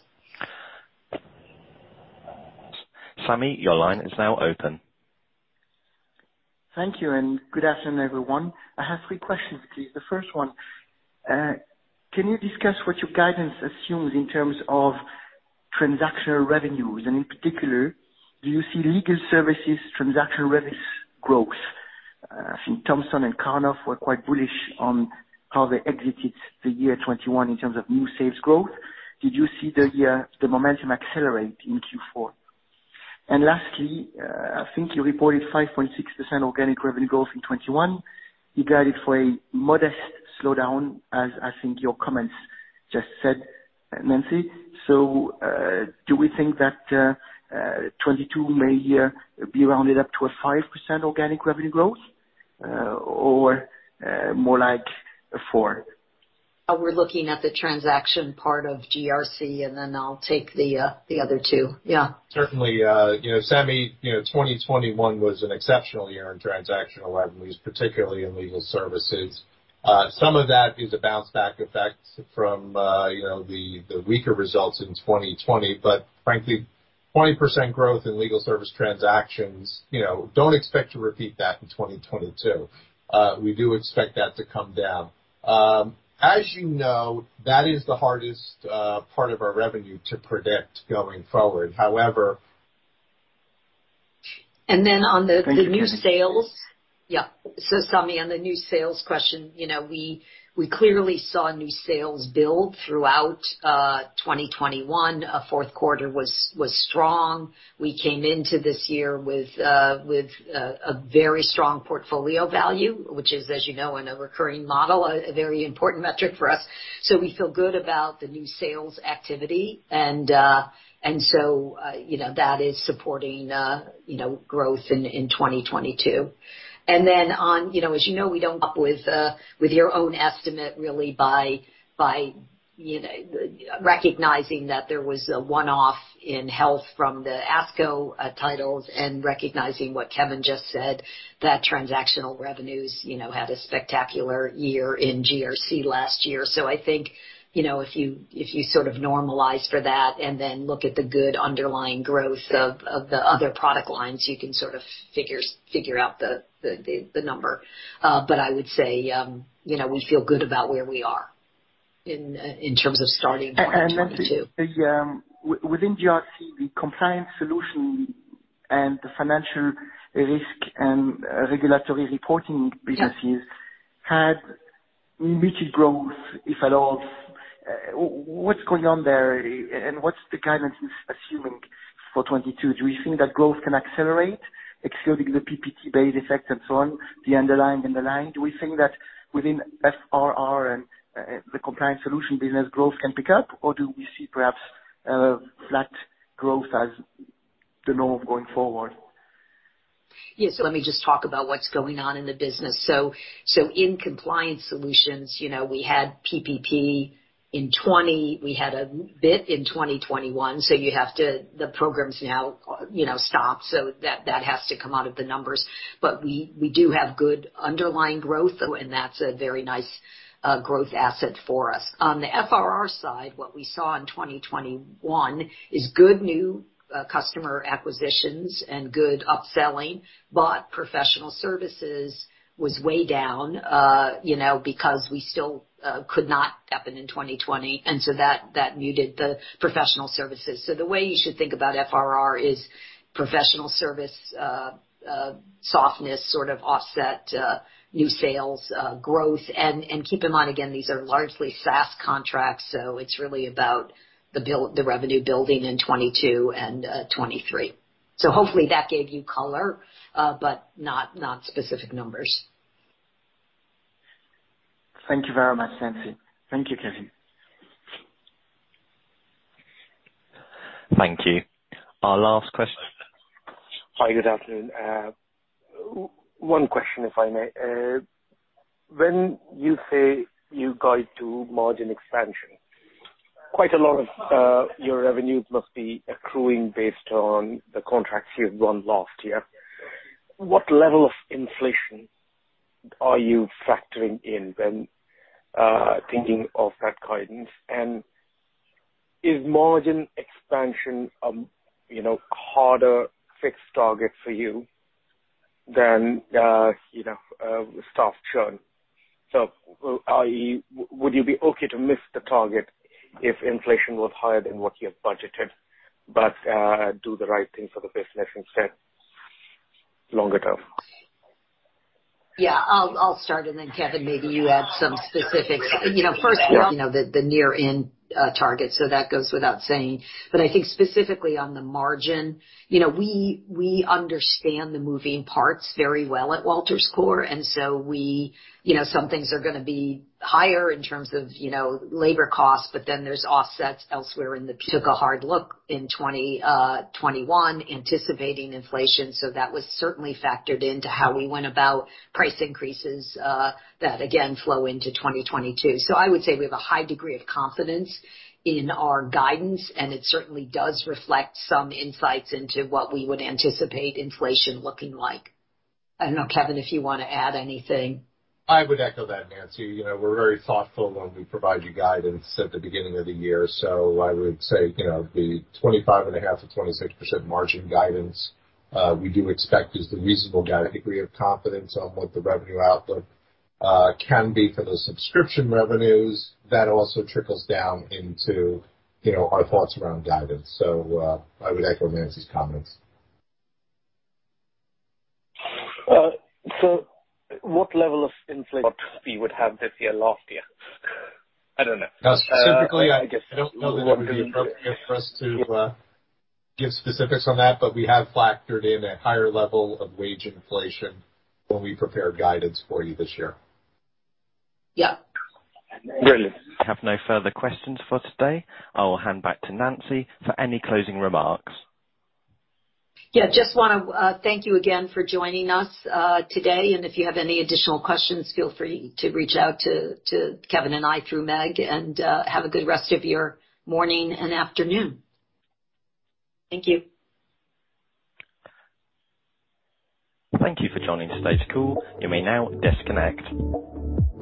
Sami, your line is now open. Thank you, and good afternoon, everyone. I have three questions, please. The first one, can you discuss what your guidance assumes in terms of transactional revenues? And in particular, do you see legal services transactional revenues growth? I think Thomson and Karnov were quite bullish on how they exited the year 2021 in terms of new sales growth. Did you see the momentum accelerate in Q4? And lastly, I think you reported 5.6% organic revenue growth in 2021. You guided for a modest slowdown, as I think your comments just said, Nancy. Do we think that 2022 may be rounded up to a 5% organic revenue growth, or more like 4%? We're looking at the transaction part of GRC, and then I'll take the other two. Yeah. Certainly, you know, Sami, you know, 2021 was an exceptional year in transactional revenues, particularly in legal services. Some of that is a bounce back effect from, you know, the weaker results in 2020. Frankly, 20% growth in legal service transactions, you know, don't expect to repeat that in 2022. We do expect that to come down. As you know, that is the hardest part of our revenue to predict going forward. However- On the new sales. Yeah. Sami, on the new sales question, you know, we clearly saw new sales build throughout 2021. Fourth quarter was strong. We came into this year with a very strong portfolio value, which is, as you know, in a recurring model, a very important metric for us. We feel good about the new sales activity. You know, that is supporting you know, growth in 2022. You know, as you know, we line up with your own estimate really by you know, recognizing that there was a one-off in Health from the ASCO titles and recognizing what Kevin just said, that transactional revenues you know, had a spectacular year in GRC last year. I think, you know, if you sort of normalize for that and then look at the good underlying growth of the other product lines, you can sort of figure out the number. I would say, you know, we feel good about where we are in terms of starting 2022. Nancy, within GRC, the compliance solution and the financial risk and regulatory reporting businesses- Yeah. ...had muted growth, if at all. What's going on there? And what's the guidance assuming for 2022? Do we think that growth can accelerate excluding the PPP base effect and so on, the underlying and the line? Do we think that within FRR and the compliance solution business growth can pick up or do we see perhaps flat growth as the norm going forward? Yeah. Let me just talk about what's going on in the business. In compliance solutions, you know, we had PPP in 2020. We had a bit in 2021, the programs now, you know, stop, so that has to come out of the numbers. But we do have good underlying growth, and that's a very nice growth asset for us. On the FRR side, what we saw in 2021 is good new customer acquisitions and good upselling, but professional services was way down, you know, because we still could not happen in 2020. That muted the professional services. The way you should think about FRR is professional services softness sort of offset new sales growth. Keep in mind, again, these are largely SaaS contracts, so it's really about the revenue building in 2022 and 2023. Hopefully that gave you color, but not specific numbers. Thank you very much, Nancy. Thank you, Kevin. Thank you. Our last question. Hi, good afternoon. One question, if I may. When you say you guide to margin expansion, quite a lot of your revenues must be accruing based on the contracts you've won last year. What level of inflation are you factoring in when thinking of that guidance? And is margin expansion, you know, harder fixed target for you than, you know, staff churn? Would you be okay to miss the target if inflation was higher than what you have budgeted, but do the right thing for the business in the longer term? Yeah. I'll start and then Kevin, maybe you add some specifics. You know, first of all, you know, the near-term target, so that goes without saying. I think specifically on the margin, you know, we understand the moving parts very well at Wolters Kluwer, and so we, you know, some things are gonna be higher in terms of, you know, labor costs, but then there's offsets elsewhere in the. Took a hard look in 2021 anticipating inflation, so that was certainly factored into how we went about price increases, that again flow into 2022. I would say we have a high degree of confidence in our guidance, and it certainly does reflect some insights into what we would anticipate inflation looking like. I don't know, Kevin, if you wanna add anything. I would echo that, Nancy. You know, we're very thoughtful when we provide you guidance at the beginning of the year. I would say, you know, the 25.5%-26% margin guidance, we do expect is the reasonable guide. I think we have confidence on what the revenue outlook can be for those subscription revenues. That also trickles down into, you know, our thoughts around guidance. I would echo Nancy's comments. What level of inflation we would have this year, last year? I don't know. Specifically, I don't know that it would be appropriate for us to give specifics on that, but we have factored in a higher level of wage inflation when we prepared guidance for you this year. Yeah. Brilliant. We have no further questions for today. I will hand back to Nancy for any closing remarks. Yeah, just wanna thank you again for joining us today. If you have any additional questions, feel free to reach out to Kevin and I through Meg, and have a good rest of your morning and afternoon. Thank you. Thank you for joining today's call. You may now disconnect.